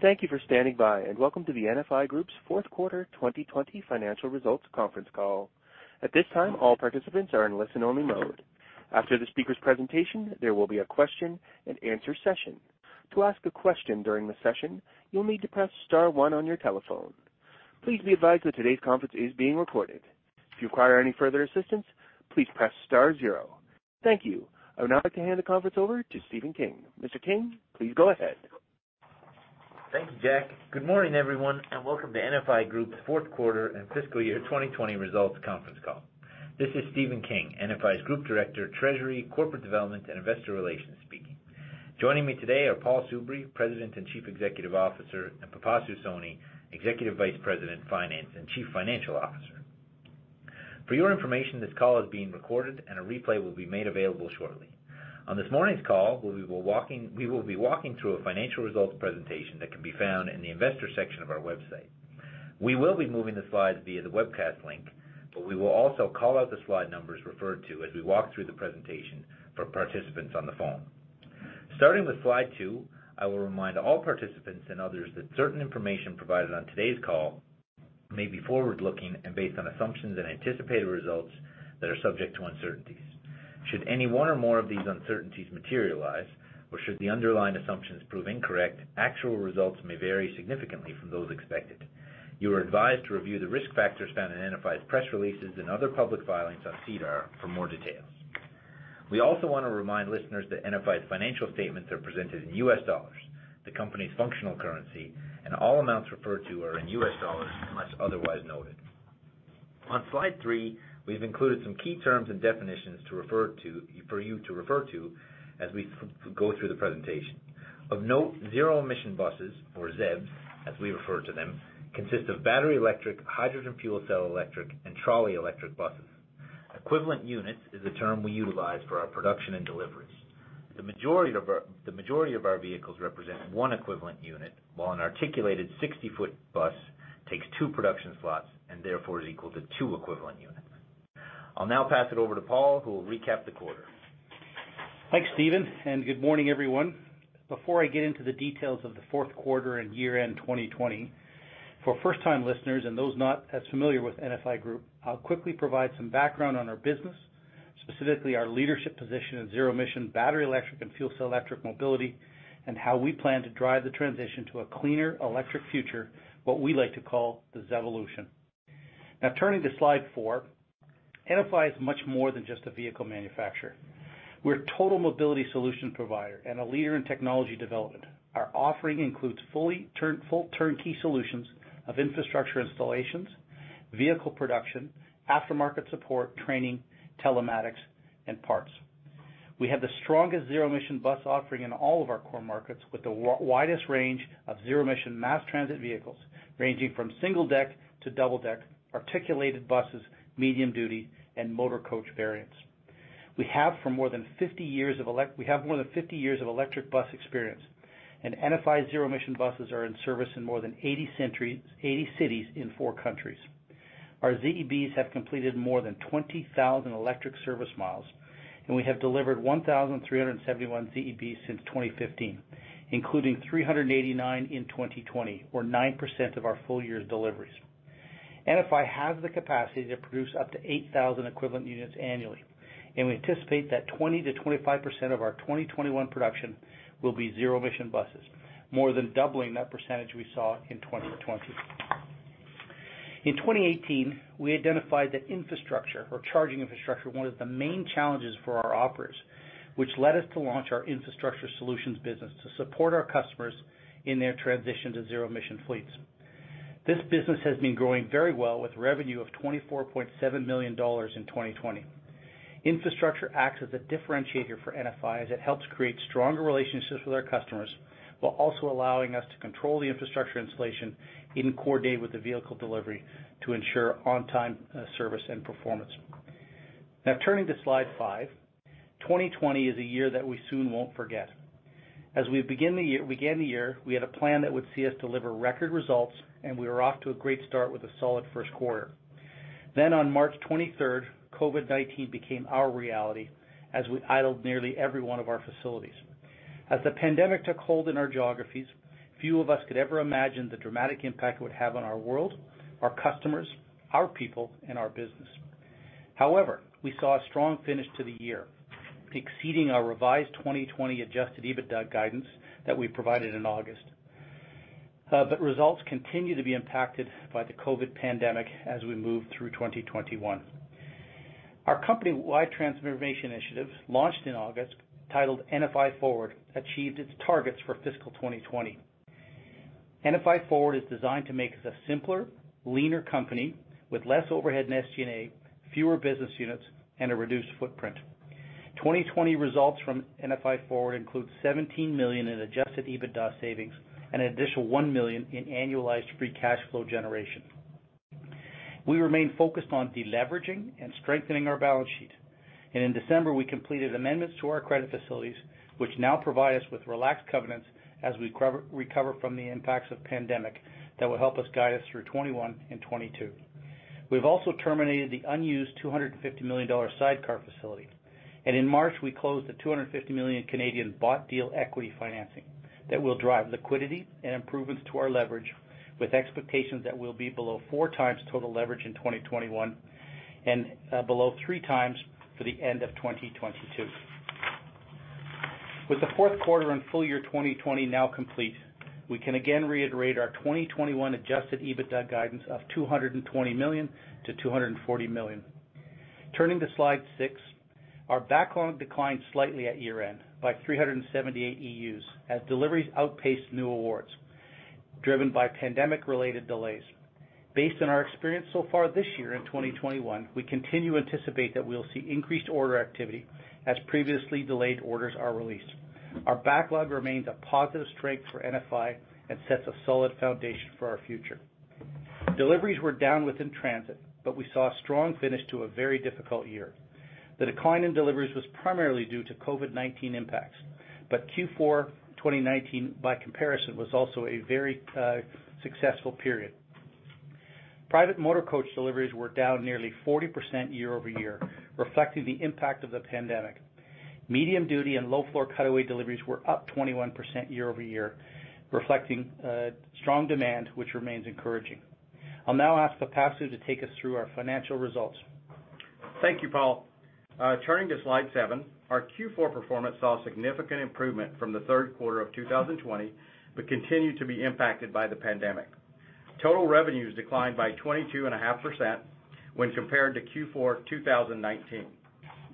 Thank you for standing by, and welcome to the NFI Group's fourth quarter 2020 financial results conference call. At this time, all participants are in listen only mode. After the speaker's presentation, there will be a question and answer session. To ask a question during the session, you will need to press star one on your telephone. Please be advised that today's conference is being recorded. If you require any further assistance, please press star zero. Thank you. I would now like to hand the conference over to Stephen King. Mr. King, please go ahead. Thank you, Jack. Good morning, everyone. Welcome to NFI Group's fourth quarter and fiscal year 2020 results conference call. This is Stephen King, NFI's Group Director, Treasury, Corporate Development, and Investor Relations speaking. Joining me today are Paul Soubry, President and Chief Executive Officer, and Pipasu Soni, Executive Vice President, Finance, and Chief Financial Officer. For your information, this call is being recorded and a replay will be made available shortly. On this morning's call, we will be walking through a financial results presentation that can be found in the investors section of our website. We will be moving the slides via the webcast link. We will also call out the slide numbers referred to as we walk through the presentation for participants on the phone. Starting with slide two, I will remind all participants and others that certain information provided on today's call may be forward-looking and based on assumptions and anticipated results that are subject to uncertainties. Should any one or more of these uncertainties materialize, or should the underlying assumptions prove incorrect, actual results may vary significantly from those expected. You are advised to review the risk factors found in NFI's press releases and other public filings on SEDAR for more details. We also want to remind listeners that NFI's financial statements are presented in U.S. dollars, the company's functional currency, and all amounts referred to are in U.S. dollars unless otherwise noted. On slide three, we've included some key terms and definitions for you to refer to as we go through the presentation. Of note, Zero-Emission Buses, or ZEB as we refer to them, consist of battery electric, hydrogen fuel cell electric, and trolley electric buses. Equivalent Units is a term we utilize for our production and deliveries. The majority of our vehicles represent one Equivalent Unit, while an articulated 60-foot bus takes two production slots and therefore is equal to two Equivalent Units. I'll now pass it over to Paul, who will recap the quarter. Thanks, Stephen. Good morning, everyone. Before I get into the details of the fourth quarter and year-end 2020, for first-time listeners and those not as familiar with NFI Group, I'll quickly provide some background on our business, specifically our leadership position in zero-emission battery electric and fuel cell electric mobility, and how we plan to drive the transition to a cleaner electric future, what we like to call the ZEVolution. Turning to slide four, NFI is much more than just a vehicle manufacturer. We're a total mobility solution provider and a leader in technology development. Our offering includes full turnkey solutions of infrastructure installations, vehicle production, aftermarket support, training, telematics, and parts. We have the strongest Zero-Emission Bus offering in all of our core markets, with the widest range of zero-emission mass transit vehicles, ranging from single deck to double deck, articulated buses, medium duty, and motor coach variants. We have more than 50 years of electric bus experience, and NFI Zero-Emission Buses are in service in more than 80 cities in four countries. Our ZEBs have completed more than 20,000 electric service miles, and we have delivered 1,371 ZEBs since 2015, including 389 in 2020, or 9% of our full year's deliveries. NFI has the capacity to produce up to 8,000 equivalent units annually, and we anticipate that 20%-25% of our 2021 production will be Zero-Emission Buses, more than doubling that percentage we saw in 2020. In 2018, we identified that infrastructure or charging infrastructure, one of the main challenges for our operators, which led us to launch our infrastructure solutions business to support our customers in their transition to zero-emission fleets. This business has been growing very well with revenue of $24.7 million in 2020. Infrastructure acts as a differentiator for NFI, as it helps create stronger relationships with our customers while also allowing us to control the infrastructure installation and coordinate with the vehicle delivery to ensure on-time service and performance. Turning to slide five. 2020 is a year that we soon won't forget. As we began the year, we had a plan that would see us deliver record results, and we were off to a great start with a solid first quarter. On March 23rd, COVID-19 became our reality as we idled nearly every one of our facilities. As the pandemic took hold in our geographies, few of us could ever imagine the dramatic impact it would have on our world, our customers, our people, and our business. We saw a strong finish to the year, exceeding our revised 2020 adjusted EBITDA guidance that we provided in August. Results continue to be impacted by the COVID pandemic as we move through 2021. Our company-wide transformation initiatives, launched in August, titled NFI Forward, achieved its targets for fiscal 2020. NFI Forward is designed to make us a simpler, leaner company with less overhead and SG&A, fewer business units, and a reduced footprint. 2020 results from NFI Forward include $17 million in adjusted EBITDA savings and an additional $1 million in annualized free cash flow generation. We remain focused on deleveraging and strengthening our balance sheet, in December, we completed amendments to our credit facilities, which now provide us with relaxed covenants as we recover from the impacts of pandemic that will help us guide us through 2021 and 2022. We've also terminated the unused 250 million dollar sidecar facility. In March, we closed the 250 million Canadian dollars Canadian bought deal equity financing that will drive liquidity and improvements to our leverage with expectations that we'll be below four times total leverage in 2021 and below three times for the end of 2022. With the fourth quarter and full year 2020 now complete, we can again reiterate our 2021 adjusted EBITDA guidance of 220 million-240 million. Turning to slide six, our backlog declined slightly at year-end by 378 EUs as deliveries outpaced new awards, driven by pandemic-related delays. Based on our experience so far this year in 2021, we continue to anticipate that we'll see increased order activity as previously delayed orders are released. Our backlog remains a positive strength for NFI and sets a solid foundation for our future. Deliveries were down within transit, but we saw a strong finish to a very difficult year. The decline in deliveries was primarily due to COVID-19 impacts, but Q4 2019, by comparison, was also a very successful period. Private motor coach deliveries were down nearly 40% year-over-year, reflecting the impact of the pandemic. Medium-duty and low-floor Cutaway deliveries were up 21% year-over-year, reflecting strong demand, which remains encouraging. I'll now ask Pipasu to take us through our financial results. Thank you, Paul. Turning to slide seven, our Q4 performance saw significant improvement from the third quarter of 2020, but continued to be impacted by the pandemic. Total revenues declined by 22.5% when compared to Q4 2019,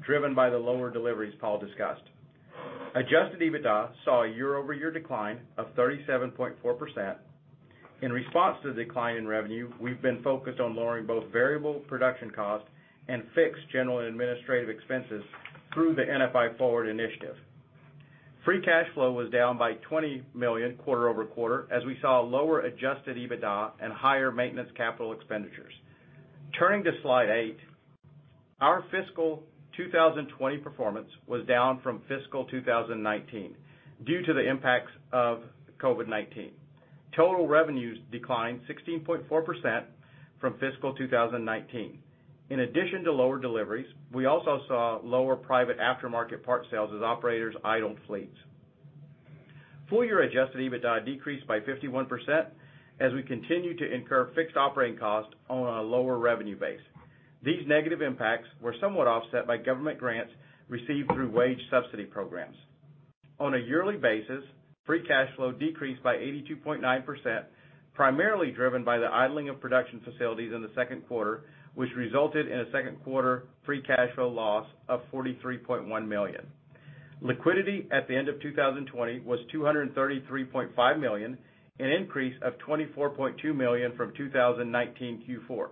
driven by the lower deliveries Paul discussed. Adjusted EBITDA saw a year-over-year decline of 37.4%. In response to the decline in revenue, we've been focused on lowering both variable production cost and fixed general and administrative expenses through the NFI Forward initiative. Free cash flow was down by 20 million quarter-over-quarter as we saw lower adjusted EBITDA and higher maintenance capital expenditures. Turning to slide eight, our fiscal 2020 performance was down from fiscal 2019 due to the impacts of COVID-19. Total revenues declined 16.4% from fiscal 2019. In addition to lower deliveries, we also saw lower private aftermarket parts sales as operators idled fleets. Full-year adjusted EBITDA decreased by 51% as we continued to incur fixed operating costs on a lower revenue base. These negative impacts were somewhat offset by government grants received through wage subsidy programs. On a yearly basis, free cash flow decreased by 82.9%, primarily driven by the idling of production facilities in the second quarter, which resulted in a second quarter free cash flow loss of $43.1 million. Liquidity at the end of 2020 was $233.5 million, an increase of $24.2 million from 2019 Q4.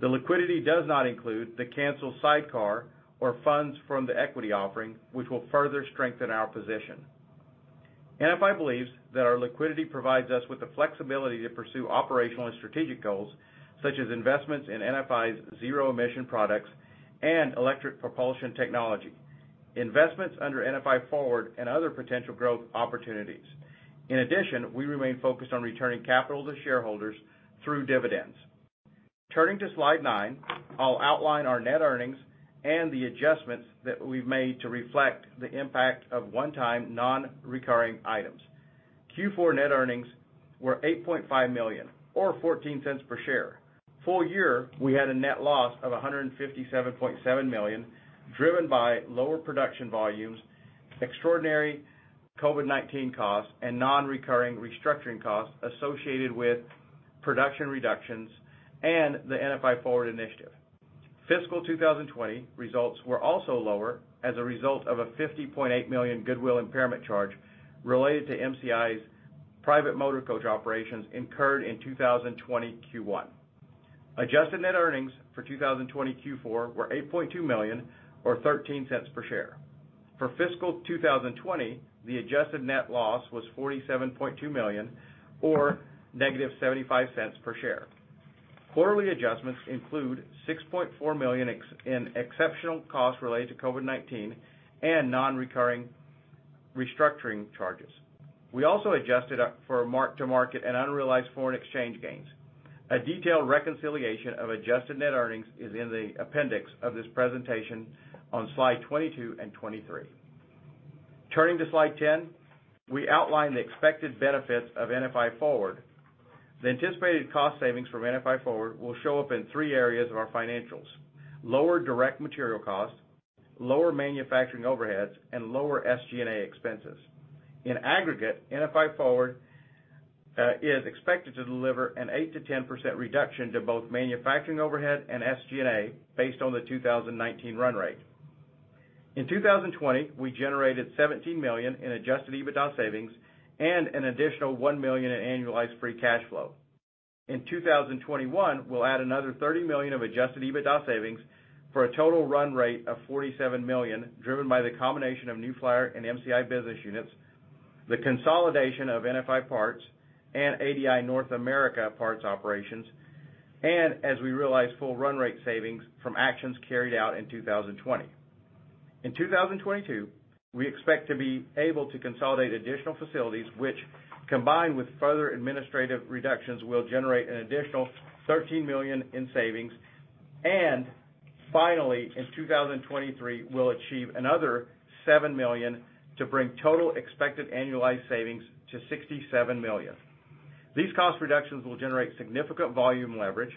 The liquidity does not include the canceled sidecar or funds from the equity offering, which will further strengthen our position. NFI believes that our liquidity provides us with the flexibility to pursue operational and strategic goals, such as investments in NFI's zero-emission products and electric propulsion technology, investments under NFI Forward, and other potential growth opportunities. In addition, we remain focused on returning capital to shareholders through dividends. Turning to slide nine, I'll outline our net earnings and the adjustments that we've made to reflect the impact of one-time, non-recurring items. Q4 net earnings were 8.5 million or 0.14 per share. Full year, we had a net loss of 157.7 million, driven by lower production volumes, extraordinary COVID-19 costs, and non-recurring restructuring costs associated with production reductions and the NFI Forward initiative. Fiscal 2020 results were also lower as a result of a 50.8 million goodwill impairment charge related to MCI's private motor coach operations incurred in 2020 Q1. Adjusted net earnings for 2020 Q4 were 8.2 million or 0.13 per share. For fiscal 2020, the adjusted net loss was 47.2 million or -0.75 per share. Quarterly adjustments include 6.4 million in exceptional costs related to COVID-19 and non-recurring restructuring charges. We also adjusted for mark-to-market and unrealized foreign exchange gains. A detailed reconciliation of adjusted net earnings is in the appendix of this presentation on slide 22 and 23. Turning to slide 10, we outline the expected benefits of NFI Forward. The anticipated cost savings from NFI Forward will show up in three areas of our financials: lower direct material costs, lower manufacturing overheads, and lower SG&A expenses. In aggregate, NFI Forward is expected to deliver an 8%-10% reduction to both manufacturing overhead and SG&A based on the 2019 run rate. In 2020, we generated 17 million in adjusted EBITDA savings and an additional 1 million in annualized free cash flow. In 2021, we'll add another 30 million of adjusted EBITDA savings for a total run rate of 47 million, driven by the combination of New Flyer and MCI business units, the consolidation of NFI Parts, and ADL North America Parts operations as we realize full run rate savings from actions carried out in 2020. In 2022, we expect to be able to consolidate additional facilities, which, combined with further administrative reductions, will generate an additional 13 million in savings. Finally, in 2023, we'll achieve another 7 million to bring total expected annualized savings to 67 million. These cost reductions will generate significant volume leverage.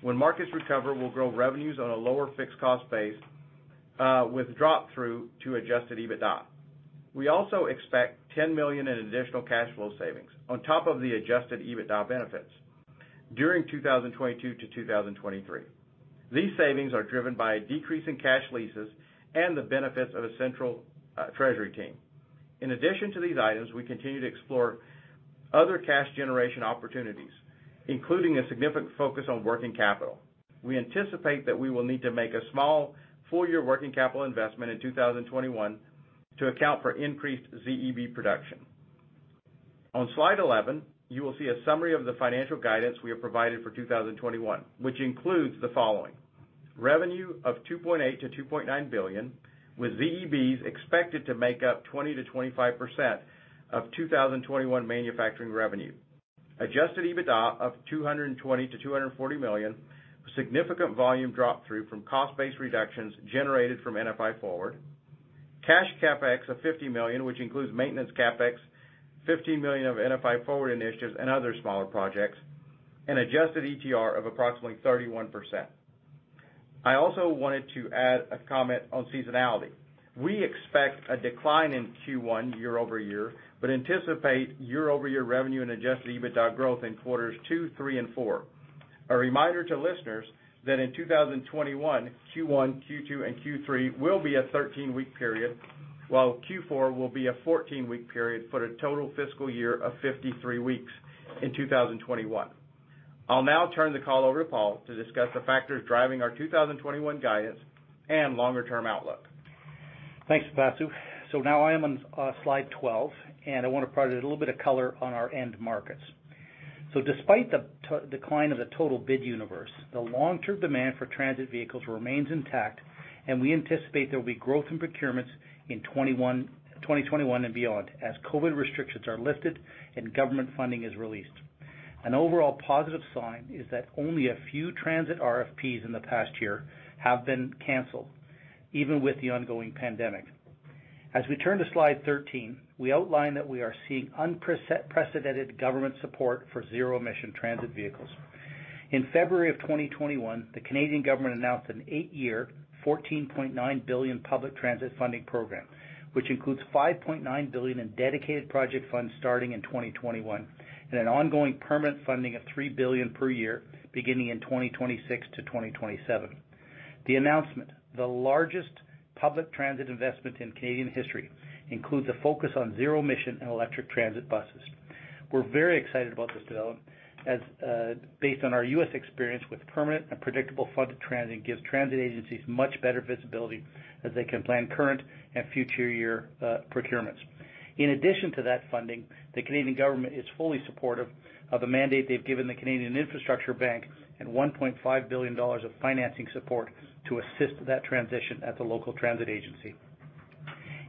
When markets recover, we'll grow revenues on a lower fixed cost base with drop-through to adjusted EBITDA. We also expect 10 million in additional cash flow savings on top of the adjusted EBITDA benefits during 2022-2023. These savings are driven by a decrease in cash leases and the benefits of a central treasury team. In addition to these items, we continue to explore other cash generation opportunities, including a significant focus on working capital. We anticipate that we will need to make a small full-year working capital investment in 2021 to account for increased ZEB production. On slide 11, you will see a summary of the financial guidance we have provided for 2021, which includes the following. Revenue of 2.8 billion-2.9 billion, with ZEBs expected to make up 20%-25% of 2021 manufacturing revenue. Adjusted EBITDA of 220 million-240 million, with significant volume drop-through from cost-based reductions generated from NFI Forward. Cash CapEx of 50 million, which includes maintenance CapEx, 15 million of NFI Forward initiatives, and other smaller projects. Adjusted ETR of approximately 31%. I also wanted to add a comment on seasonality. We expect a decline in Q1 year-over-year but anticipate year-over-year revenue and adjusted EBITDA growth in quarters two, three, and four. A reminder to listeners that in 2021, Q1, Q2, and Q3 will be a 13-week period, while Q4 will be a 14-week period for a total fiscal year of 53 weeks in 2021. I'll now turn the call over to Paul to discuss the factors driving our 2021 guidance and longer-term outlook. Thanks, Pasu. Now I am on slide 12, and I want to provide a little bit of color on our end markets. Despite the decline of the total bid universe, the long-term demand for transit vehicles remains intact, and we anticipate there will be growth in procurements in 2021 and beyond as COVID restrictions are lifted and government funding is released. An overall positive sign is that only a few transit RFPs in the past year have been canceled, even with the ongoing pandemic. As we turn to slide 13, we outline that we are seeing unprecedented government support for zero-emission transit vehicles. In February of 2021, the Canadian government announced an eight-year, 14.9 billion public transit funding program, which includes 5.9 billion in dedicated project funds starting in 2021, and an ongoing permanent funding of 3 billion per year, beginning in 2026-2027. The announcement, the largest public transit investment in Canadian history, includes a focus on zero-emission and electric transit buses. We're very excited about this development, as based on our U.S. experience with permanent and predictable funded transit, gives transit agencies much better visibility as they can plan current and future year procurements. In addition to that funding, the Canadian government is fully supportive of the mandate they've given the Canada Infrastructure Bank and 1.5 billion dollars of financing support to assist that transition at the local transit agency.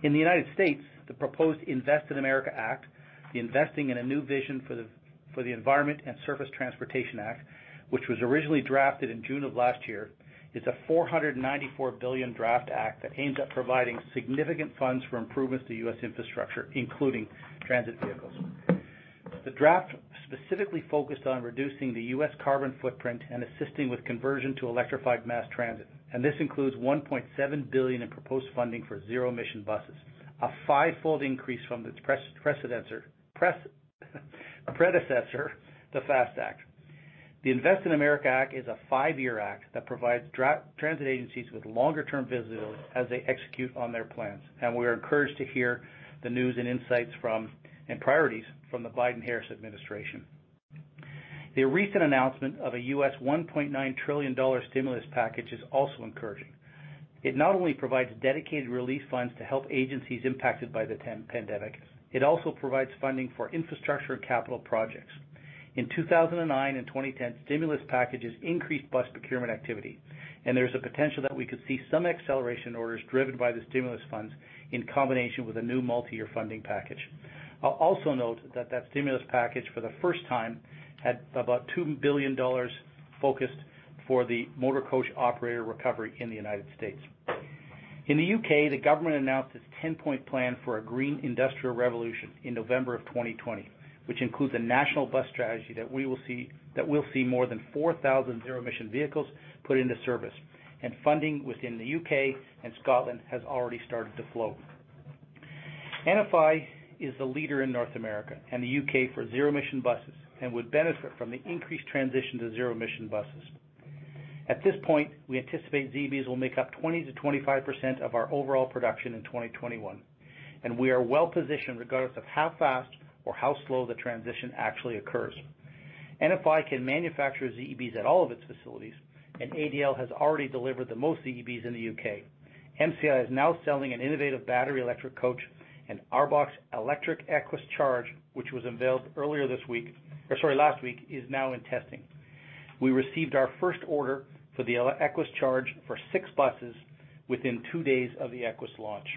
In the United States, the proposed INVEST in America Act, the Investing in a New Vision for the Environment and Surface Transportation in America Act, which was originally drafted in June of last year, is a $494 billion draft act that aims at providing significant funds for improvements to U.S. infrastructure, including transit vehicles. The draft specifically focused on reducing the U.S. carbon footprint and assisting with conversion to electrified mass transit. This includes 1.7 billion in proposed funding for Zero-Emission Buses, a five-fold increase from its predecessor, the FAST Act. The INVEST in America Act is a five-year act that provides transit agencies with longer-term visibility as they execute on their plans. We are encouraged to hear the news and insights from, and priorities from the Biden-Harris administration. The recent announcement of a U.S. $1.9 trillion stimulus package is also encouraging. It not only provides dedicated relief funds to help agencies impacted by the pandemic, it also provides funding for infrastructure and capital projects. In 2009 and 2010, stimulus packages increased bus procurement activity. There is a potential that we could see some acceleration orders driven by the stimulus funds in combination with a new multi-year funding package. I'll also note that that stimulus package, for the first time, had about $2 billion focused for the motor coach operator recovery in the U.S. In the U.K., the government announced its 10-point plan for a Green Industrial Revolution in November of 2020, which includes a national bus strategy that we'll see more than 4,000 zero-emission vehicles put into service, and funding within the U.K. and Scotland has already started to flow. NFI is the leader in North America and the U.K. for Zero-Emission Buses and would benefit from the increased transition to Zero-Emission Buses. At this point, we anticipate ZEBs will make up 20%-25% of our overall production in 2021, and we are well positioned regardless of how fast or how slow the transition actually occurs. NFI can manufacture ZEBs at all of its facilities, and ADL has already delivered the most ZEBs in the U.K. MCI is now selling an innovative battery electric coach, and ARBOC's electric Equess CHARGE, which was unveiled earlier this week, or sorry, last week, is now in testing. We received our first order for the Equess CHARGE for six buses within two days of the Equess launch.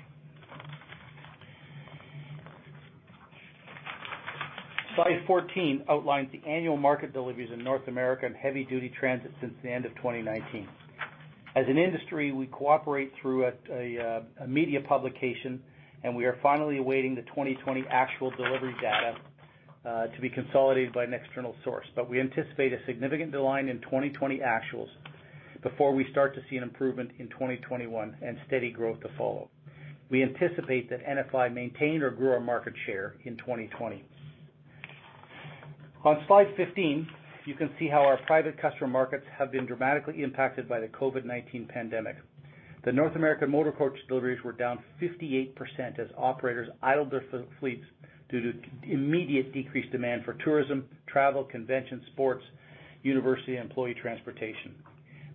Slide 14 outlines the annual market deliveries in North America and heavy-duty transit since the end of 2019. As an industry, we cooperate through a media publication, and we are finally awaiting the 2020 actual delivery data to be consolidated by an external source. We anticipate a significant decline in 2020 actuals before we start to see an improvement in 2021 and steady growth to follow. We anticipate that NFI maintained or grew our market share in 2020. On slide 15, you can see how our private customer markets have been dramatically impacted by the COVID-19 pandemic. The North American motor coach deliveries were down 58% as operators idled their fleets due to immediate decreased demand for tourism, travel, convention, sports, university, and employee transportation.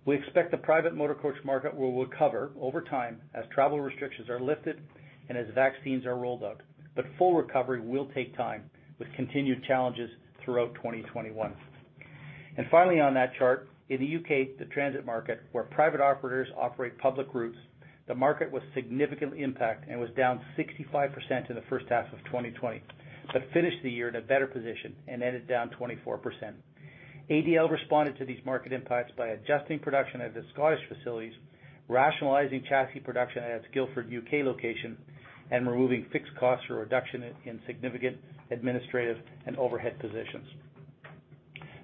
We expect the private motor coach market will recover over time as travel restrictions are lifted and as vaccines are rolled out, but full recovery will take time, with continued challenges throughout 2021. Finally, on that chart, in the U.K., the transit market, where private operators operate public routes, the market was significantly impacted and was down 65% in the first half of 2020, but finished the year in a better position and ended down 24%. ADL responded to these market impacts by adjusting production at the Scottish facilities, rationalizing chassis production at its Guildford, U.K., location, and removing fixed costs through a reduction in significant administrative and overhead positions.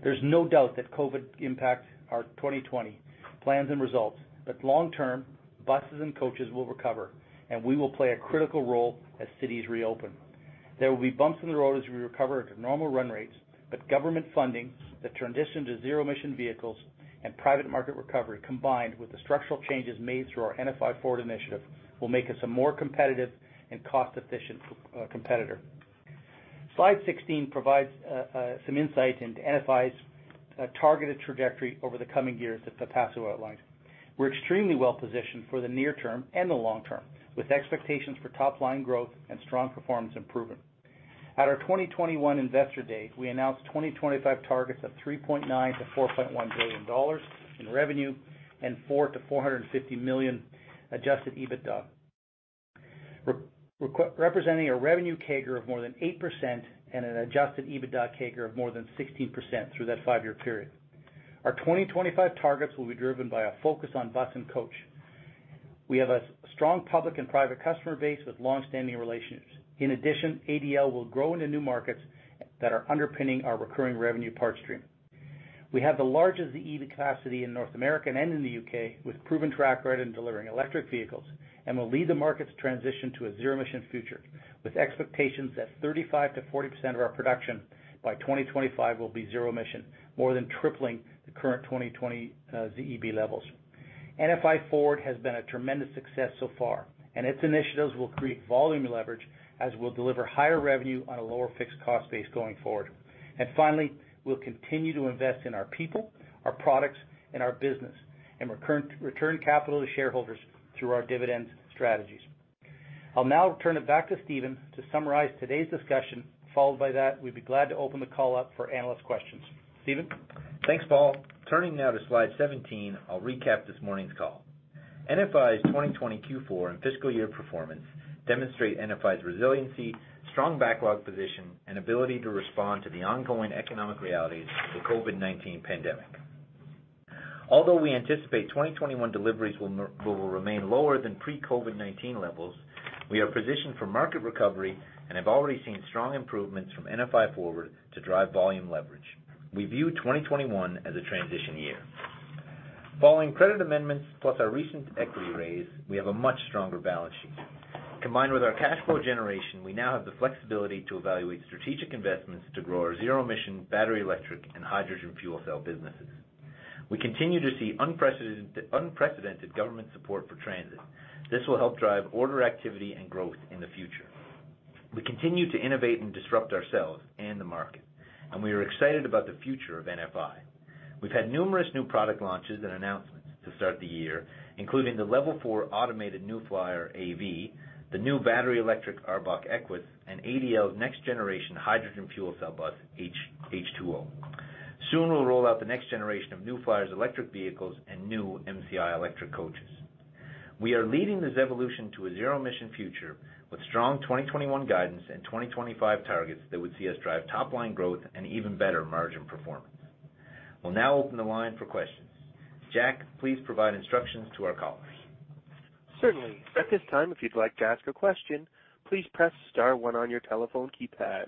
There's no doubt that COVID impacted our 2020 plans and results, but long term, buses and coaches will recover, and we will play a critical role as cities reopen. There will be bumps in the road as we recover to normal run rates, but government funding, the transition to zero-emission vehicles, and private market recovery, combined with the structural changes made through our NFI Forward initiative, will make us a more competitive and cost-efficient competitor. Slide 16 provides some insight into NFI's targeted trajectory over the coming years that the past outlined. We're extremely well-positioned for the near term and the long term, with expectations for top-line growth and strong performance improvement. At our 2021 Investor Day, we announced 2025 targets of 3.9 billion-4.1 billion dollars in revenue and 400 million-450 million adjusted EBITDA, representing a revenue CAGR of more than 8% and an adjusted EBITDA CAGR of more than 16% through that five-year period. Our 2025 targets will be driven by a focus on bus and coach. We have a strong public and private customer base with long-standing relationships. In addition, ADL will grow into new markets that are underpinning our recurring revenue parts stream. We have the largest ZEB capacity in North America and in the U.K., with a proven track record in delivering electric vehicles, and will lead the market's transition to a zero-emission future. With expectations that 35%-40% of our production by 2025 will be zero-emission, more than tripling the current 2020 ZEB levels. NFI Forward has been a tremendous success so far, and its initiatives will create volume leverage as we'll deliver higher revenue on a lower fixed cost base going forward. Finally, we'll continue to invest in our people, our products, and our business and return capital to shareholders through our dividends strategies. I'll now turn it back to Stephen to summarize today's discussion. Followed by that, we'd be glad to open the call up for analyst questions. Stephen? Thanks, Paul. Turning now to slide 17, I'll recap this morning's call. NFI Group's 2020 Q4 and fiscal year performance demonstrate NFI Group's resiliency, strong backlog position, and ability to respond to the ongoing economic realities of the COVID-19 pandemic. Although we anticipate 2021 deliveries will remain lower than pre-COVID-19 levels, we are positioned for market recovery and have already seen strong improvements from NFI Forward to drive volume leverage. We view 2021 as a transition year. Following credit amendments plus our recent equity raise, we have a much stronger balance sheet. Combined with our cash flow generation, we now have the flexibility to evaluate strategic investments to grow our zero-emission, battery, electric, and hydrogen fuel cell businesses. We continue to see unprecedented government support for transit. This will help drive order activity and growth in the future. We continue to innovate and disrupt ourselves and the market, and we are excited about the future of NFI. We've had numerous new product launches and announcements to start the year, including the Level 4 automated New Flyer AV, the new battery electric ARBOC Equess, and ADL's next-generation hydrogen fuel cell bus, H2.0. Soon, we'll roll out the next generation of New Flyer's electric vehicles and new MCI electric coaches. We are leading this evolution to a zero-emission future with strong 2021 guidance and 2025 targets that would see us drive top-line growth and even better margin performance. We'll now open the line for questions. Jack, please provide instructions to our callers. Certainly. At this time, if you'd like to ask a question, please press star one on your telephone keypad.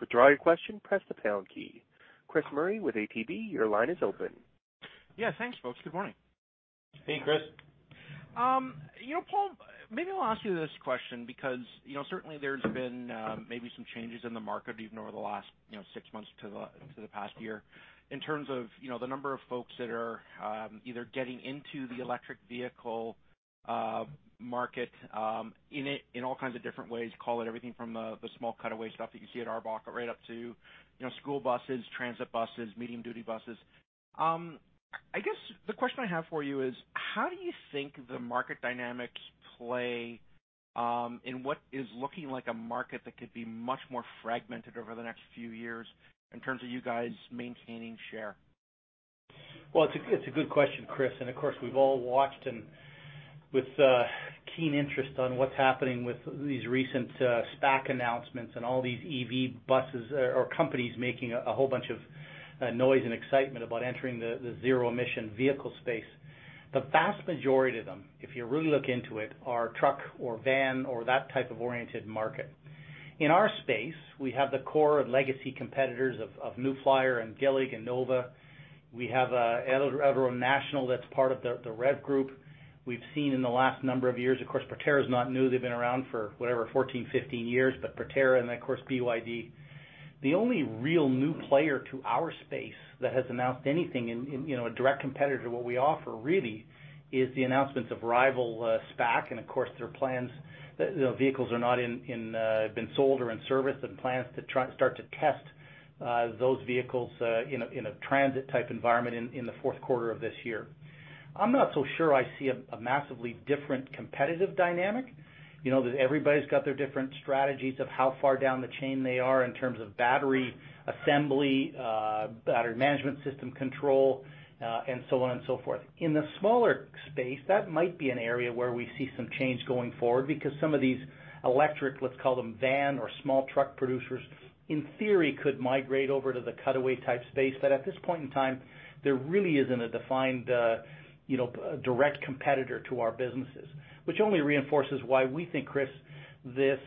To draw your question press pound key. Chris Murray with ATB, your line is open. Yeah, thanks, folks. Good morning. Hey, Chris. Paul, maybe I'll ask you this question because certainly there's been maybe some changes in the market even over the last six months to the past year in terms of the number of folks that are either getting into the electric vehicle market in all kinds of different ways, call it everything from the small cutaway stuff that you see at ARBOC, right up to school buses, transit buses, medium duty buses. I guess the question I have for you is, how do you think the market dynamics play in what is looking like a market that could be much more fragmented over the next few years in terms of you guys maintaining share? Well, it's a good question, Chris, and of course, we've all watched and with keen interest on what's happening with these recent SPAC announcements and all these EV buses or companies making a whole bunch of noise and excitement about entering the zero-emission vehicle space. The vast majority of them, if you really look into it, are truck or van or that type of oriented market. In our space, we have the core of legacy competitors of New Flyer and Gillig and Nova. We have ElDorado National that's part of the REV Group. We've seen in the last number of years, of course, Proterra is not new. They've been around for whatever, 14, 15 years, but Proterra and of course, BYD. The only real new player to our space that has announced anything in a direct competitor to what we offer really is the announcements of Arrival, SPAC, and of course, their plans, vehicles have been sold or in service and plans to start to test those vehicles in a transit type environment in the fourth quarter of this year. I'm not so sure I see a massively different competitive dynamic. Everybody's got their different strategies of how far down the chain they are in terms of battery assembly, battery management, system control, and so on and so forth. In the smaller space, that might be an area where we see some change going forward because some of these electric, let's call them van or small truck producers, in theory, could migrate over to the Cutaway type space. At this point in time, there really isn't a defined direct competitor to our businesses, which only reinforces why we think, Chris, this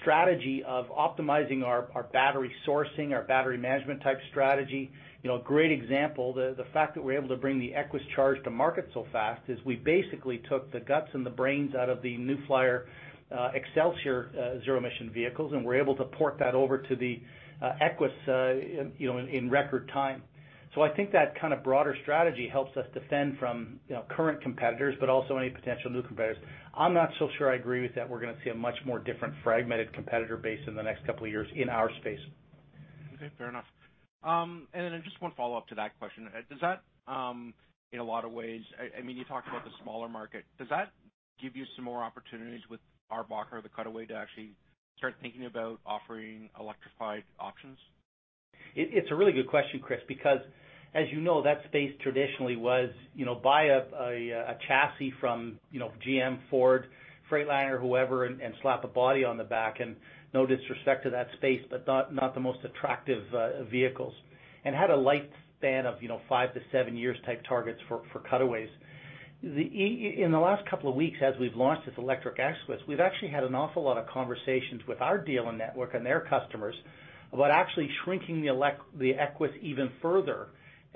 strategy of optimizing our battery sourcing, our battery management type strategy. A great example, the fact that we're able to bring the Equess CHARGE to market so fast is we basically took the guts and the brains out of the New Flyer Xcelsior zero-emission vehicles, and we're able to port that over to the Equess in record time. I think that kind of broader strategy helps us defend from current competitors, but also any potential new competitors. I'm not so sure I agree with that we're going to see a much more different fragmented competitor base in the next couple of years in our space. Okay, fair enough. Just one follow-up to that question. Does that, in a lot of ways, you talked about the smaller market, give you some more opportunities with ARBOC or the Cutaway to actually start thinking about offering electrified options? It's a really good question, Chris, because as you know, that space traditionally was, buy up a chassis from GM, Ford, Freightliner, whoever, and slap a body on the back. No disrespect to that space, but not the most attractive vehicles. Had a lifespan of five to seven years type targets for Cutaways. In the last couple of weeks, as we've launched this electric Equess, we've actually had an awful lot of conversations with our dealer network and their customers about actually shrinking the Equess even further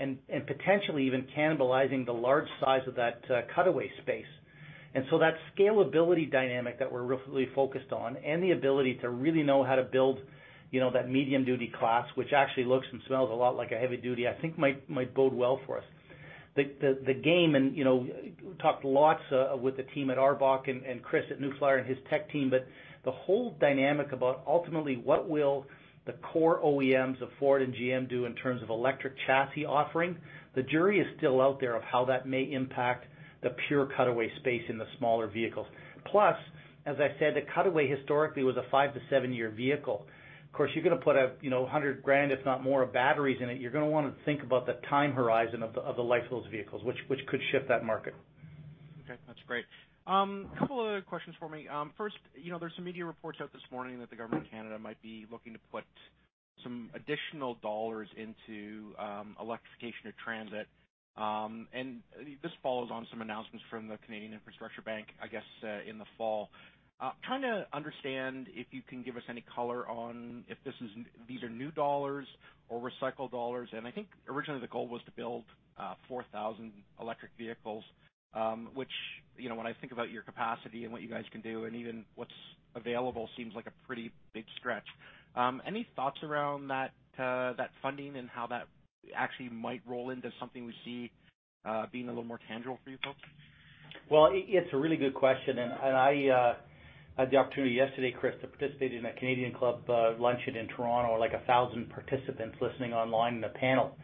and potentially even cannibalizing the large size of that Cutaway space. That scalability dynamic that we're really focused on and the ability to really know how to build that medium duty class, which actually looks and smells a lot like a heavy duty, I think might bode well for us. The game, and talked lots with the team at ARBOC and Chris at New Flyer and his tech team, but the whole dynamic about ultimately what will the core OEMs of Ford and GM do in terms of electric chassis offering, the jury is still out there of how that may impact the pure Cutaway space in the smaller vehicles. As I said, the Cutaway historically was a five to seven year vehicle. Of course, you're going to put $100 thousand, if not more, of batteries in it. You're going to want to think about the time horizon of the life of those vehicles, which could shift that market. Okay, that's great. Couple of other questions for me. First, there's some media reports out this morning that the Government of Canada might be looking to put some additional dollars into electrification of transit. This follows on some announcements from the Canada Infrastructure Bank, I guess, in the fall. Trying to understand if you can give us any color on if these are new dollars or recycled dollars. I think originally the goal was to build 4,000 electric vehicles, which, when I think about your capacity and what you guys can do and even what's available, seems like a pretty big stretch. Any thoughts around that funding and how that actually might roll into something we see being a little more tangible for you folks? Well, it's a really good question, and I had the opportunity yesterday, Chris, to participate in a Canadian Club luncheon in Toronto with like 1,000 participants listening online in a panel.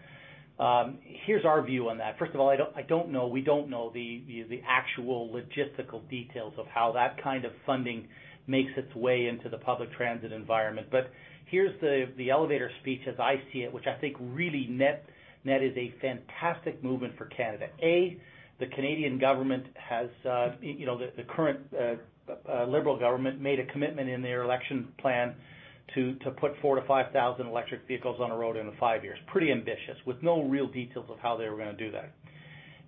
Here's our view on that. First of all, I don't know, we don't know the actual logistical details of how that kind of funding makes its way into the public transit environment. Here's the elevator speech as I see it, which I think really net is a fantastic movement for Canada. The Canadian government has, the current Liberal government made a commitment in their election plan to put four to 5,000 electric vehicles on the road in five years. Pretty ambitious, with no real details of how they were going to do that.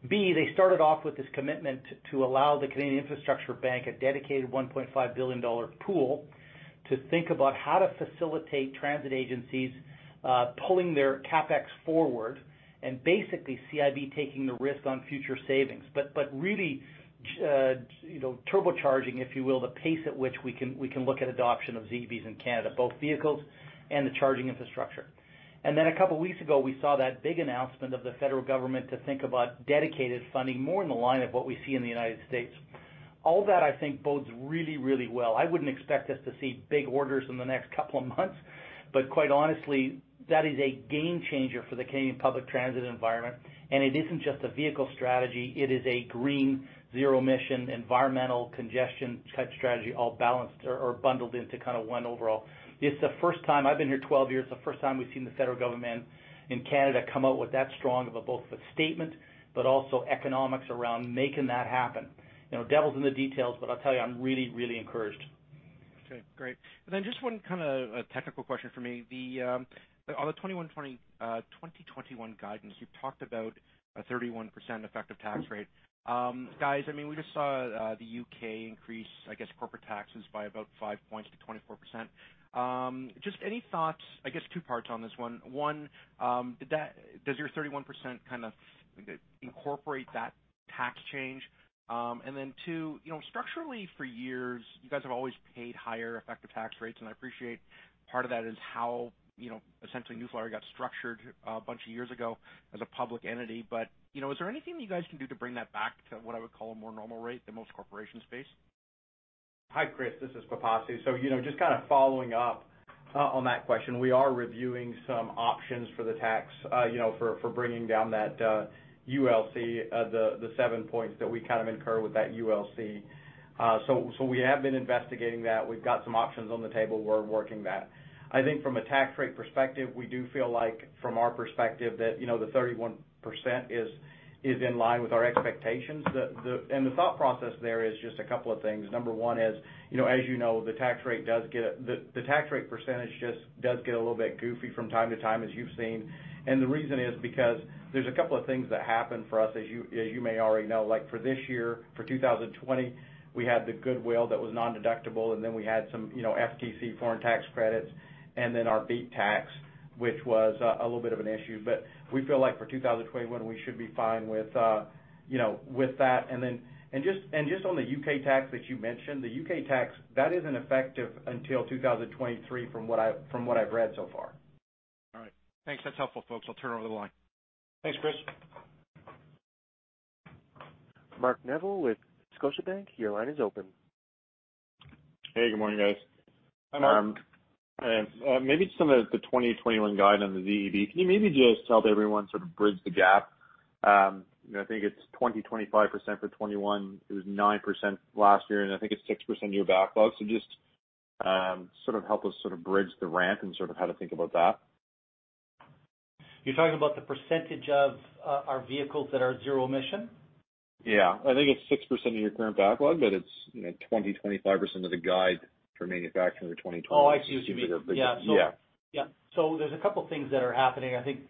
They started off with this commitment to allow the Canada Infrastructure Bank a dedicated $1.5 billion pool to think about how to facilitate transit agencies pulling their CapEx forward, and basically CIB taking the risk on future savings. Really turbocharging, if you will, the pace at which we can look at adoption of ZEBs in Canada, both vehicles and the charging infrastructure. A couple of weeks ago, we saw that big announcement of the federal government to think about dedicated funding more in the line of what we see in the U.S. All that I think bodes really, really well. I wouldn't expect us to see big orders in the next couple of months, but quite honestly, that is a game changer for the Canadian public transit environment, and it isn't just a vehicle strategy, it is a green, zero-emission, environmental congestion type strategy, all balanced or bundled into one overall. I've been here 12 years, it's the first time we've seen the federal government in Canada come out with that strong of a statement, but also economics around making that happen. Devil's in the details, but I'll tell you, I'm really, really encouraged. Okay, great. Just one technical question from me. On the 2021 guidance, you talked about a 31% effective tax rate. Guys, we just saw the U.K. increase corporate taxes by about five points to 24%. Just any thoughts, I guess two parts on this one. One, does your 31% incorporate that tax change? Two, structurally for years, you guys have always paid higher effective tax rates, and I appreciate part of that is how essentially New Flyer got structured a bunch of years ago as a public entity. Is there anything that you guys can do to bring that back to what I would call a more normal rate than most corporations face? Hi, Chris. This is Pipasu. Just following up on that question, we are reviewing some options for the tax for bringing down that ULC, the seven points that we incur with that ULC. We have been investigating that. We've got some options on the table. We're working that. I think from a tax rate perspective, we do feel like from our perspective that the 31% is in line with our expectations. The thought process there is just a couple of things. Number one is, as you know, the tax rate percentage just does get a little bit goofy from time to time, as you've seen. The reason is because there's a couple of things that happen for us, as you may already know. For this year, for 2020, we had the goodwill that was non-deductible, we had some FTC foreign tax credits, and then our BEAT tax, which was a little bit of an issue. We feel like for 2021, we should be fine with that. Just on the U.K. tax that you mentioned, the U.K. tax, that isn't effective until 2023 from what I've read so far. All right. Thanks. That's helpful, folks. I'll turn over the line. Thanks, Chris. Mark Neville with Scotiabank, your line is open. Hey, good morning, guys. Hi, Mark. Maybe some of the 2021 guide on the ZEB. Can you maybe just help everyone sort of bridge the gap? I think it's 20%-25% for 2021. It was 9% last year. I think it's 6% in your backlog. Just help us bridge the ramp and how to think about that. You're talking about the percentage of our vehicles that are zero emission? Yeah. I think it's 6% of your current backlog, but it's 20%-25% of the guide for manufacturing for 2020. Oh, I see what you mean. Yeah. Yeah. There's a couple things that are happening, I think,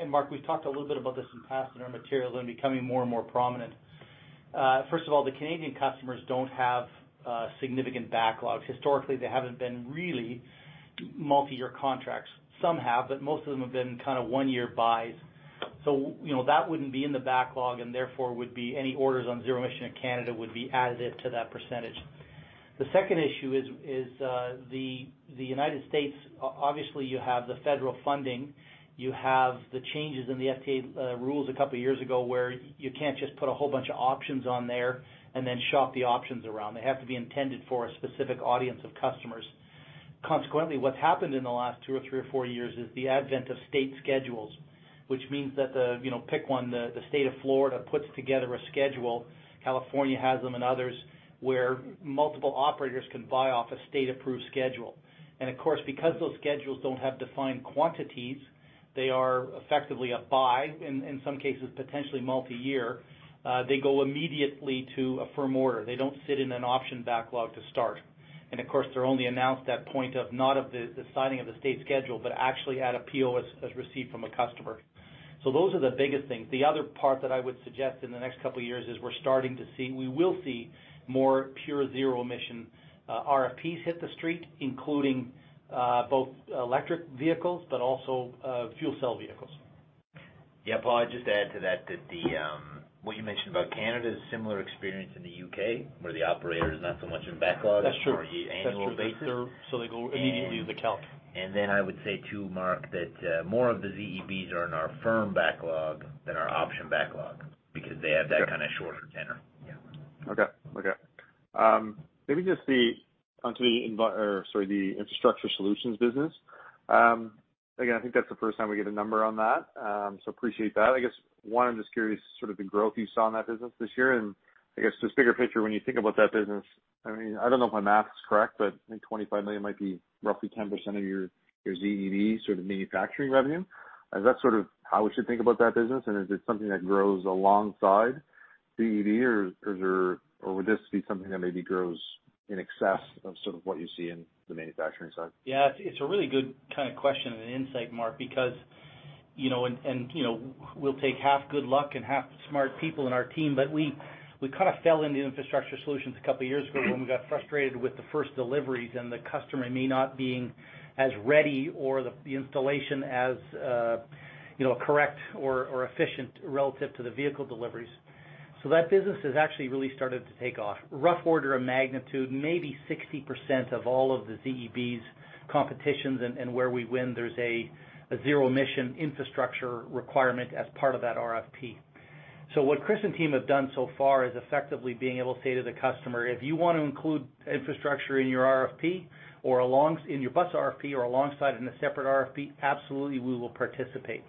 and Mark, we've talked a little bit about this in the past in our materials and becoming more and more prominent. First of all, the Canadian customers don't have significant backlogs. Historically, they haven't been really multi-year contracts. Some have, but most of them have been one-year buys. That wouldn't be in the backlog, and therefore any orders on zero-emission in Canada would be additive to that percentage. The second issue is the United States, obviously, you have the federal funding. You have the changes in the FTA rules a couple of years ago, where you can't just put a whole bunch of options on there and then shop the options around. They have to be intended for a specific audience of customers. Consequently, what's happened in the last two or three or four years is the advent of state schedules, which means that the, pick one, the state of Florida puts together a schedule. California has them and others, where multiple operators can buy off a state-approved schedule. Because those schedules don't have defined quantities, they are effectively a buy, in some cases, potentially multi-year. They go immediately to a firm order. They don't sit in an option backlog to start. Of course, they're only announced at point of not of the signing of the state schedule, but actually at a PO as received from a customer. Those are the biggest things. The other part that I would suggest in the next couple of years is we will see more pure zero emission RFPs hit the street, including both electric vehicles, but also fuel cell vehicles. Yeah, Paul, I'd just add to that, what you mentioned about Canada is a similar experience in the U.K., where the operator is not so much in backlog. That's true. More annual basis. They go immediately to the count. I would say too, Mark, that more of the ZEBs are in our firm backlog than our option backlog because they have that kind of shorter tenor. Yeah. Okay. Maybe just the Infrastructure Solutions business. Again, I think that's the first time we get a number on that, so appreciate that. I guess, one, I'm just curious sort of the growth you saw in that business this year, and I guess just bigger picture when you think about that business, I don't know if my math is correct, but I think 25 million might be roughly 10% of your ZEB sort of manufacturing revenue. Is that sort of how we should think about that business, and is it something that grows alongside ZEB, or would this be something that maybe grows in excess of sort of what you see in the manufacturing side? Yeah, it's a really good kind of question and insight, Mark. We'll take half good luck and half smart people in our team, but we kind of fell into Infrastructure Solutions a couple of years ago when we got frustrated with the first deliveries and the customer may not being as ready or the installation as correct or efficient relative to the vehicle deliveries. That business has actually really started to take off. Rough order of magnitude, maybe 60% of all of the ZEBs competitions and where we win, there's a zero emission infrastructure requirement as part of that RFP. What Chris and team have done so far is effectively being able to say to the customer, "If you want to include infrastructure in your bus RFP or alongside in a separate RFP, absolutely, we will participate."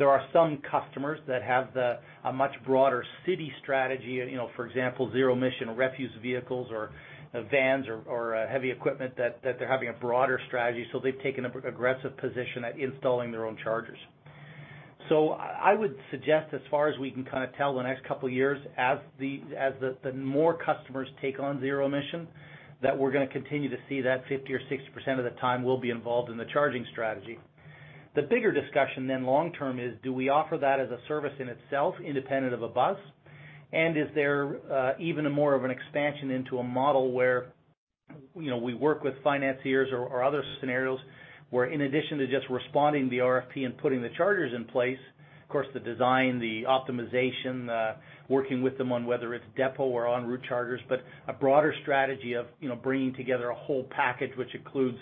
There are some customers that have a much broader city strategy, for example, zero emission refuse vehicles or vans or heavy equipment that they're having a broader strategy. They've taken an aggressive position at installing their own chargers. I would suggest as far as we can tell, the next couple of years as the more customers take on zero emission, that we're going to continue to see that 50% or 60% of the time we'll be involved in the charging strategy. The bigger discussion long-term is, do we offer that as a service in itself, independent of a bus? Is there even more of an expansion into a model where we work with financiers or other scenarios where in addition to just responding to the RFP and putting the chargers in place, of course, the design, the optimization, working with them on whether it's depot or en route chargers, but a broader strategy of bringing together a whole package, which includes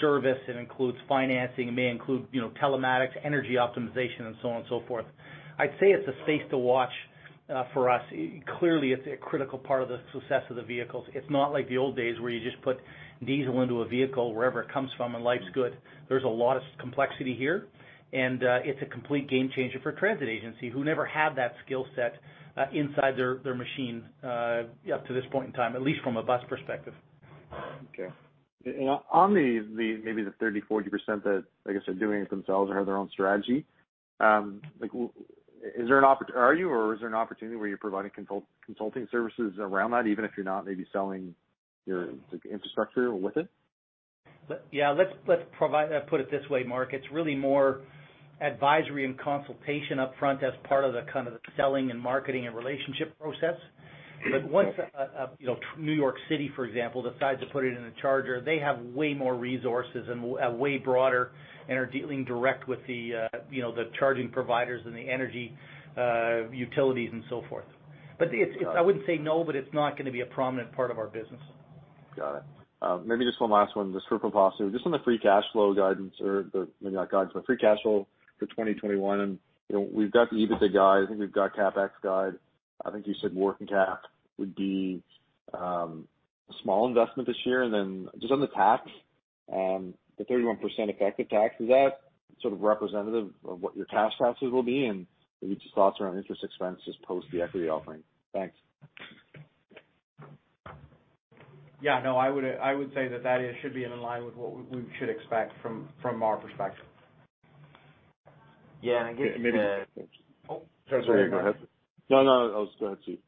service and includes financing. It may include telematics, energy optimization, and so on and so forth. I'd say it's a space to watch for us. Clearly, it's a critical part of the success of the vehicles. It's not like the old days where you just put diesel into a vehicle, wherever it comes from, and life's good. There's a lot of complexity here, and it's a complete game changer for a transit agency who never had that skill set inside their machine up to this point in time, at least from a bus perspective. On maybe the 30%, 40% that, like I said, doing it themselves or have their own strategy, are you or is there an opportunity where you're providing consulting services around that, even if you're not maybe selling your infrastructure with it? Yeah. Let's put it this way, Mark. It's really more advisory and consultation upfront as part of the selling and marketing and relationship process. Once New York City, for example, decides to put it in a charger, they have way more resources and way broader and are dealing direct with the charging providers and the energy utilities and so forth. Got it. I wouldn't say no, but it's not going to be a prominent part of our business. Got it. Maybe just one last one, just for Pipasu. Just on the free cash flow guidance or maybe not guidance, but free cash flow for 2021. We've got the EBITDA guide. I think we've got CapEx guide. I think you said working cap would be a small investment this year. Then just on the tax, the 31% effective tax, is that sort of representative of what your tax processes will be? Maybe just thoughts around interest expense just post the equity offering. Thanks. Yeah. No, I would say that should be in line with what we should expect from our perspective. Yeah, and I guess. Okay. Oh, sorry. Sorry, go ahead. No, no. Go ahead, Stephen.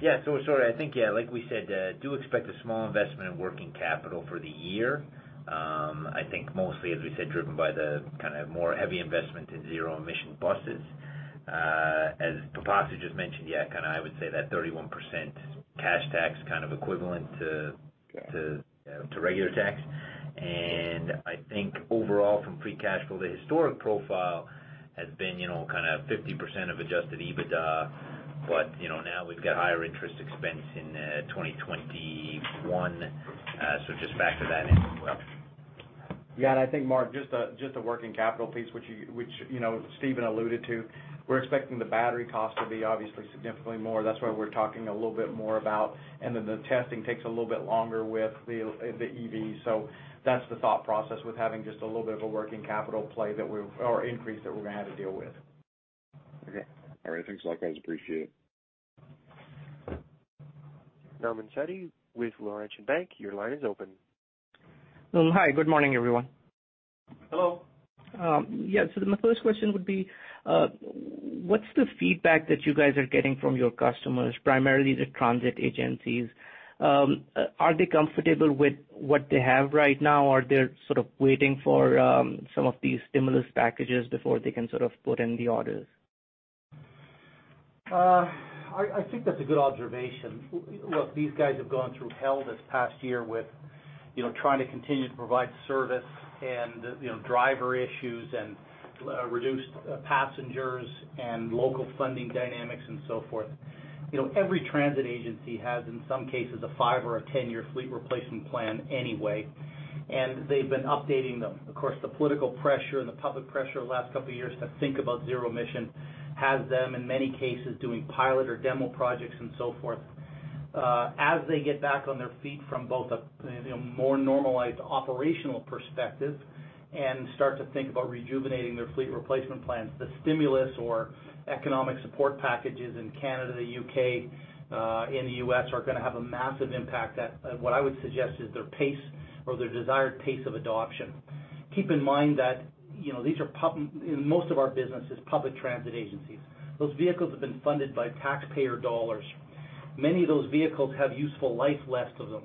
Yeah. Sorry. I think, like we said, do expect a small investment in working capital for the year. I think mostly, as we said, driven by the more heavy investment in Zero-Emission Buses. As Pipasu just mentioned, yeah, I would say that 31% cash tax equivalent to regular tax. I think overall from free cash flow, the historic profile has been 50% of adjusted EBITDA. Now we've got higher interest expense in 2021, just factor that in as well. I think Mark, just the working capital piece, which Stephen alluded to, we're expecting the battery cost to be obviously significantly more. That's why we're talking a little bit more about, and then the testing takes a little bit longer with the EV. That's the thought process with having just a little bit of a working capital play or increase that we're going to have to deal with. Okay. All right. Thanks a lot, guys. Appreciate it. Nauman Satti with Laurentian Bank, your line is open. Hi. Good morning, everyone. Hello. Yeah. My first question would be, what's the feedback that you guys are getting from your customers, primarily the transit agencies? Are they comfortable with what they have right now, or they're sort of waiting for some of these stimulus packages before they can sort of put in the orders? I think that's a good observation. Look, these guys have gone through hell this past year with trying to continue to provide service and driver issues and reduced passengers and local funding dynamics and so forth. Every transit agency has, in some cases, a five or a 10-year fleet replacement plan anyway, and they've been updating them. Of course, the political pressure and the public pressure the last couple of years to think about zero-emission has them in many cases doing pilot or demo projects and so forth. As they get back on their feet from both a more normalized operational perspective and start to think about rejuvenating their fleet replacement plans, the stimulus or economic support packages in Canada, the U.K., and the U.S. are going to have a massive impact at, what I would suggest is their pace or their desired pace of adoption. Keep in mind that most of our business is public transit agencies. Those vehicles have been funded by taxpayer dollars. Many of those vehicles have useful life left of them,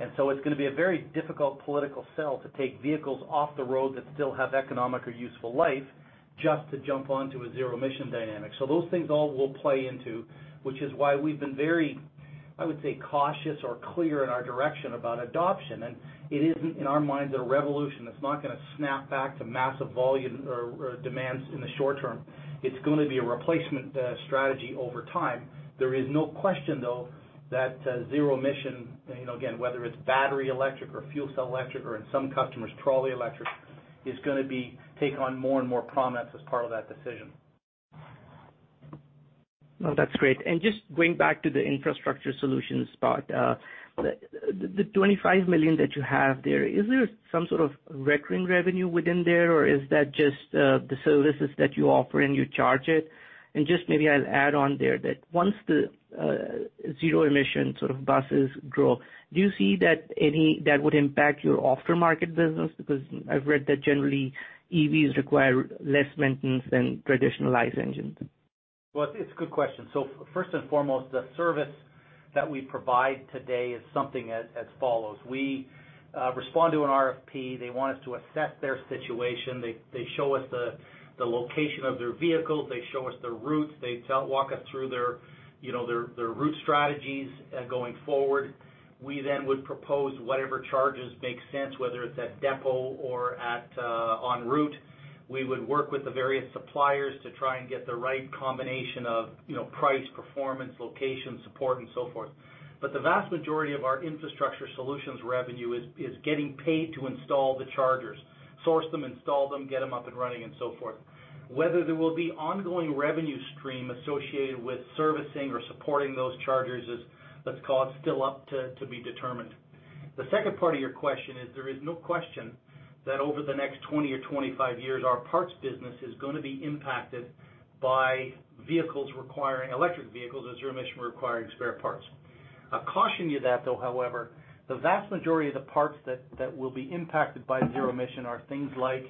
and so it's going to be a very difficult political sell to take vehicles off the road that still have economic or useful life just to jump onto a zero emission dynamic. Those things all will play into, which is why we've been very, I would say, cautious or clear in our direction about adoption, and it isn't, in our minds, a revolution. It's not going to snap back to massive volume or demands in the short term. It's going to be a replacement strategy over time. There is no question, though, that zero-emission, again, whether it's battery-electric or fuel-cell electric or in some customers, trolley-electric, is going to take on more and more prominence as part of that decision. No, that's great. Just going back to the infrastructure solutions part, the 25 million that you have there, is there some sort of recurring revenue within there or is that just the services that you offer and you charge it? Just maybe I'll add on there that once the Zero-Emission Buses grow, do you see that would impact your aftermarket business? Because I've read that generally EVs require less maintenance than traditional ICE engines. Well, it's a good question. First and foremost, the service that we provide today is something as follows. We respond to an RFP. They want us to assess their situation. They show us the location of their vehicles. They show us their routes. They walk us through their route strategies going forward. We would propose whatever charges make sense, whether it's at depot or on route. We would work with the various suppliers to try and get the right combination of price, performance, location, support, and so forth. The vast majority of our infrastructure solutions revenue is getting paid to install the chargers. Source them, install them, get them up and running, and so forth. Whether there will be ongoing revenue stream associated with servicing or supporting those chargers is, let's call it, still up to be determined. The second part of your question is there is no question that over the next 20 or 25 years, our parts business is going to be impacted by electric vehicles or zero-emission requiring spare parts. I caution you that, though, however, the vast majority of the parts that will be impacted by zero-emission are things like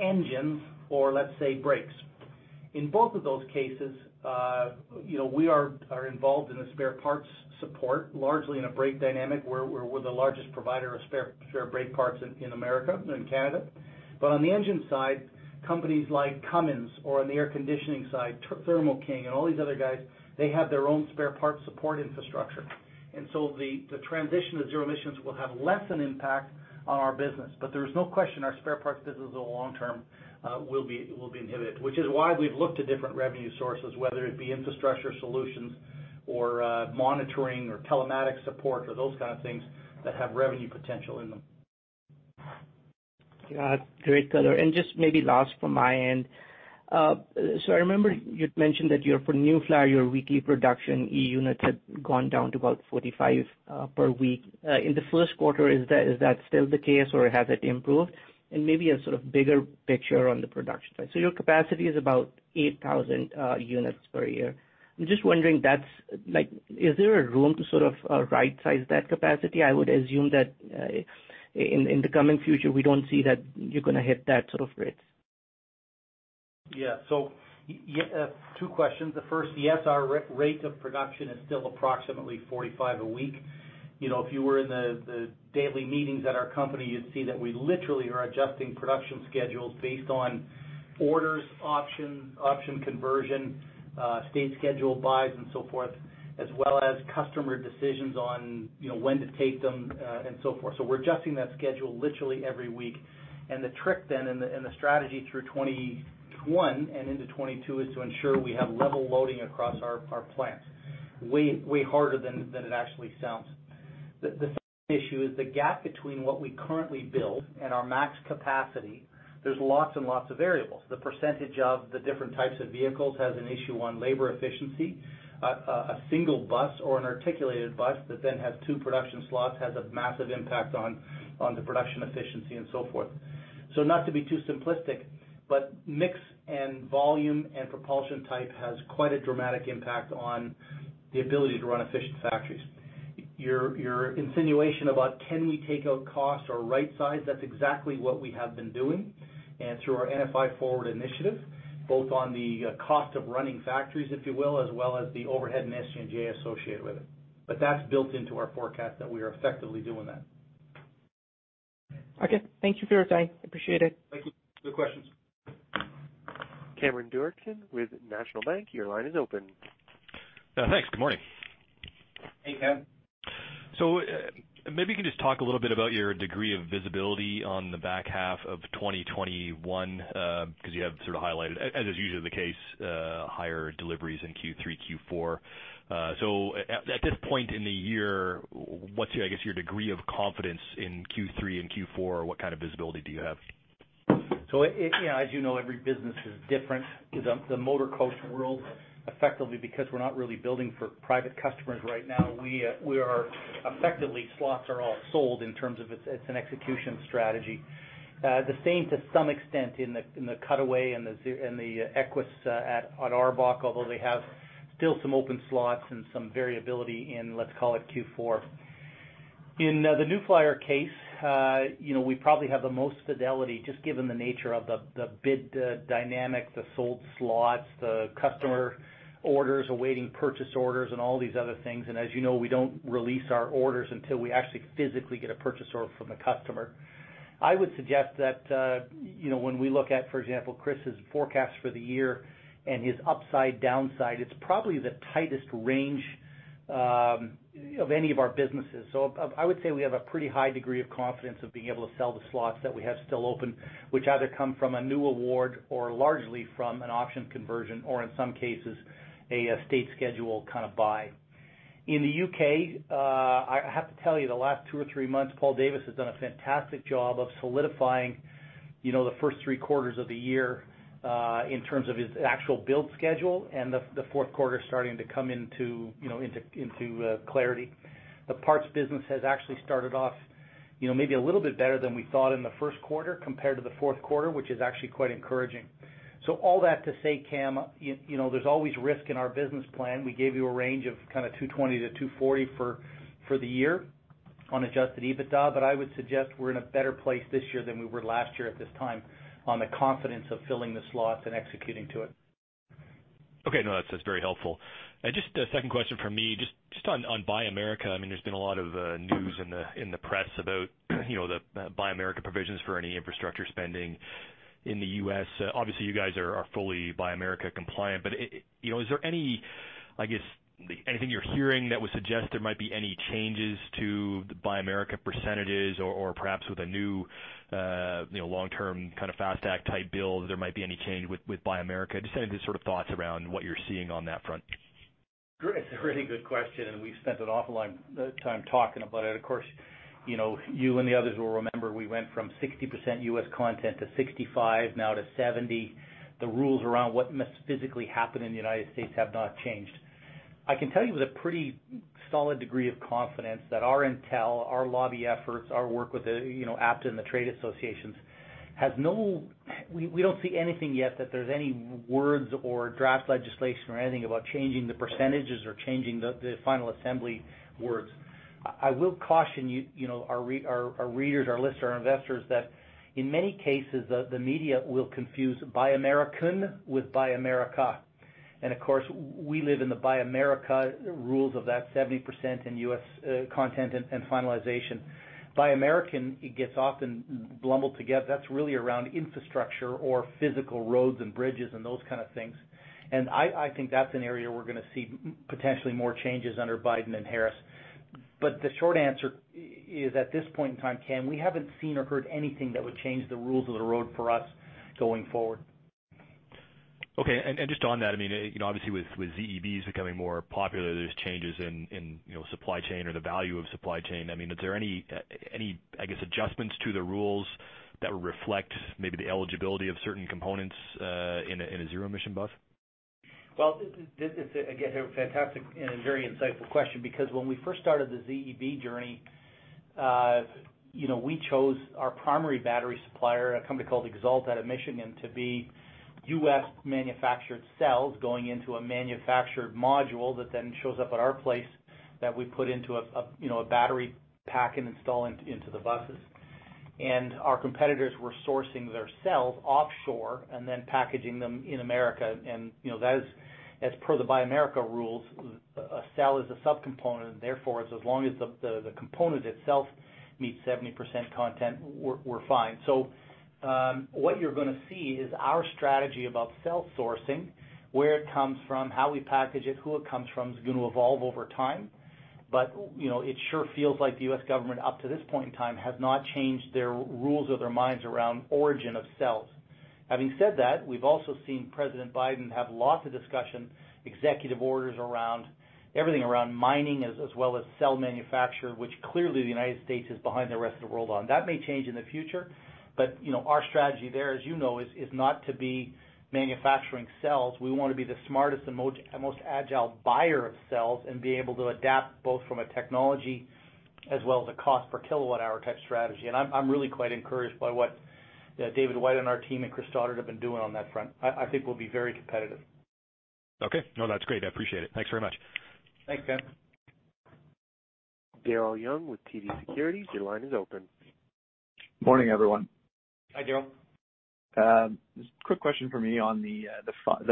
engines or let's say, brakes. In both of those cases, we are involved in the spare parts support, largely in a brake dynamic, where we're the largest provider of spare brake parts in the U.S. and Canada. On the engine side, companies like Cummins or on the air conditioning side, Thermo King and all these other guys, they have their own spare parts support infrastructure. The transition to zero-emissions will have less an impact on our business. There's no question our spare parts business over the long term will be inhibited, which is why we've looked at different revenue sources, whether it be infrastructure solutions or monitoring or telematics support or those kind of things that have revenue potential in them. Yeah. Great color. Just maybe last from my end. I remember you'd mentioned that for New Flyer, your weekly production e-units had gone down to about 45 per week. In the first quarter, is that still the case or has it improved? Maybe a sort of bigger picture on the production side. Your capacity is about 8,000 units per year. I'm just wondering, is there a room to sort of right-size that capacity? I would assume that in the coming future, we don't see that you're going to hit that sort of rates. Two questions. The first, yes, our rate of production is still approximately 45 a week. If you were in the daily meetings at our company, you'd see that we literally are adjusting production schedules based on orders, options, option conversion, state schedule buys, and so forth, as well as customer decisions on when to take them and so forth. We're adjusting that schedule literally every week. The trick then and the strategy through 2021 and into 2022 is to ensure we have level loading across our plants. Way harder than it actually sounds. The second issue is the gap between what we currently build and our max capacity. There's lots and lots of variables. The percentage of the different types of vehicles has an issue on labor efficiency. A single bus or an articulated bus that then has two production slots has a massive impact on the production efficiency and so forth. Not to be too simplistic, mix and volume and propulsion type has quite a dramatic impact on the ability to run efficient factories. Your insinuation about can we take out costs or right size, that's exactly what we have been doing and through our NFI Forward initiative, both on the cost of running factories, if you will, as well as the overhead and SG&A associated with it. That's built into our forecast that we are effectively doing that. Okay. Thank you for your time. Appreciate it. Thank you. Good questions. Cameron Doerksen with National Bank, your line is open. Thanks. Good morning. Hey. Maybe you can just talk a little bit about your degree of visibility on the back half of 2021, because you have sort of highlighted, as is usually the case, higher deliveries in Q3, Q4. At this point in the year, what's, I guess, your degree of confidence in Q3 and Q4? What kind of visibility do you have? As you know, every business is different. The motor coach world, effectively because we're not really building for private customers right now, effectively, slots are all sold in terms of it's an execution strategy. The same to some extent in the Cutaway and the Equess at ARBOC, although they have still some open slots and some variability in, let's call it, Q4. In the New Flyer case, we probably have the most fidelity just given the nature of the bid dynamic, the sold slots, the customer orders, awaiting purchase orders, and all these other things. As you know, we don't release our orders until we actually physically get a purchase order from the customer. I would suggest that when we look at, for example, Chris's forecast for the year and his upside downside, it's probably the tightest range of any of our businesses. I would say we have a pretty high degree of confidence of being able to sell the slots that we have still open, which either come from a new award or largely from an option conversion or in some cases a state schedule kind of buy. In the U.K., I have to tell you, the last two or three months, Paul Davies has done a fantastic job of solidifying the first three quarters of the year in terms of his actual build schedule, and the fourth quarter's starting to come into clarity. The parts business has actually started off maybe a little bit better than we thought in the first quarter compared to the fourth quarter, which is actually quite encouraging. All that to say, Cam, there's always risk in our business plan. We gave you a range of kind of 220-240 for the year on adjusted EBITDA, but I would suggest we're in a better place this year than we were last year at this time on the confidence of filling the slots and executing to it. Okay. No, that's very helpful. Just a second question from me, just on Buy America. There's been a lot of news in the press about the Buy America provisions for any infrastructure spending in the U.S. Obviously, you guys are fully Buy America compliant, but is there anything you're hearing that would suggest there might be any changes to the Buy America percentages or perhaps with a new long-term kind of FAST Act type bill, there might be any change with Buy America? Just any sort of thoughts around what you're seeing on that front. It's a really good question. We've spent an awful lot of time talking about it. Of course, you and the others will remember we went from 60% U.S. content to 65%, now to 70%. The rules around what must physically happen in the United States have not changed. I can tell you with a pretty solid degree of confidence that our intel, our lobby efforts, our work with APTA and the trade associations, we don't see anything yet that there's any words or draft legislation or anything about changing the percentages or changing the final assembly words. I will caution our readers, our listeners, our investors that in many cases, the media will confuse Buy American with Buy America. Of course, we live in the Buy America rules of that 70% in U.S. content and finalization. Buy American, it gets often jumbled together. That's really around infrastructure or physical roads and bridges and those kind of things. I think that's an area we're going to see potentially more changes under Biden and Harris. The short answer is at this point in time, Cam, we haven't seen or heard anything that would change the rules of the road for us going forward. Okay. Just on that, obviously with ZEBs becoming more popular, there is changes in supply chain or the value of supply chain. Is there any adjustments to the rules that would reflect maybe the eligibility of certain components in a Zero-Emission Bus? Well, this is again, a fantastic and very insightful question because when we first started the ZEB journey, we chose our primary battery supplier, a company called Xalt out of Michigan, to be U.S. manufactured cells going into a manufactured module that then shows up at our place that we put into a battery pack and install into the buses. Our competitors were sourcing their cells offshore and then packaging them in America. That is as per the Buy America rules, a cell is a sub-component, and therefore, as long as the component itself meets 70% content, we're fine. What you're going to see is our strategy about cell sourcing, where it comes from, how we package it, who it comes from, is going to evolve over time. It sure feels like the U.S. government, up to this point in time, has not changed their rules of their minds around origin of cells. Having said that, we've also seen President Biden have lots of discussion, executive orders around everything around mining as well as cell manufacture, which clearly the United States is behind the rest of the world on. That may change in the future. Our strategy there, as you know, is not to be manufacturing cells. We want to be the smartest and most agile buyer of cells and be able to adapt both from a technology as well as a cost per kilowatt hour type strategy. I'm really quite encouraged by what David White on our team and Chris Stoddart have been doing on that front. I think we'll be very competitive. Okay. No, that's great. I appreciate it. Thanks very much. Thanks, Cam. Daryl Young with TD Securities, your line is open. Morning, everyone. Hi, Daryl. Just a quick question for me on the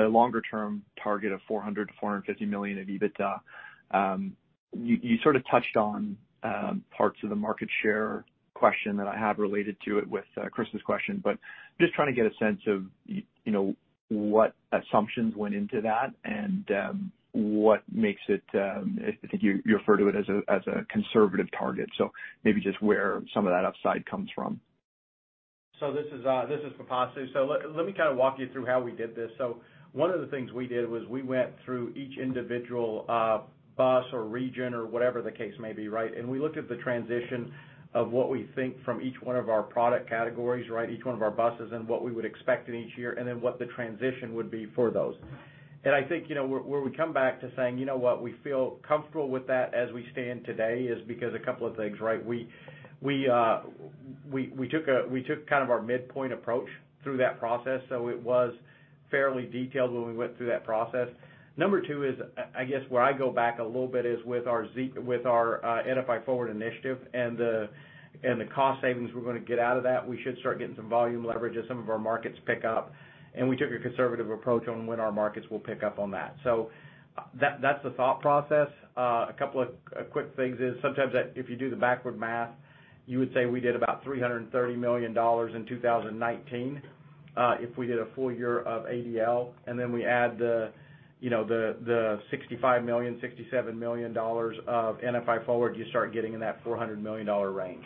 longer-term target of 400 million-450 million of EBITDA. You sort of touched on parts of the market share question that I had related to it with Chris's question, but just trying to get a sense of what assumptions went into that and what makes it, I think you refer to it as a conservative target. Maybe just where some of that upside comes from. This is Pipasu. Let me kind of walk you through how we did this. One of the things we did was we went through each individual bus or region or whatever the case may be, right. We looked at the transition of what we think from each one of our product categories, right. Each one of our buses and what we would expect in each year, and then what the transition would be for those. I think where we come back to saying, you know what. We feel comfortable with that as we stand today is because a couple of things, right. We took kind of our midpoint approach through that process. It was fairly detailed when we went through that process. Number two is, I guess where I go back a little bit is with our NFI Forward initiative and the cost savings we're going to get out of that. We should start getting some volume leverage as some of our markets pick up, and we took a conservative approach on when our markets will pick up on that. That's the thought process. A couple of quick things is sometimes if you do the backward math, you would say we did about $330 million in 2019 if we did a full year of ADL, then we add the $65 million, $67 million of NFI Forward, you start getting in that $400 million range.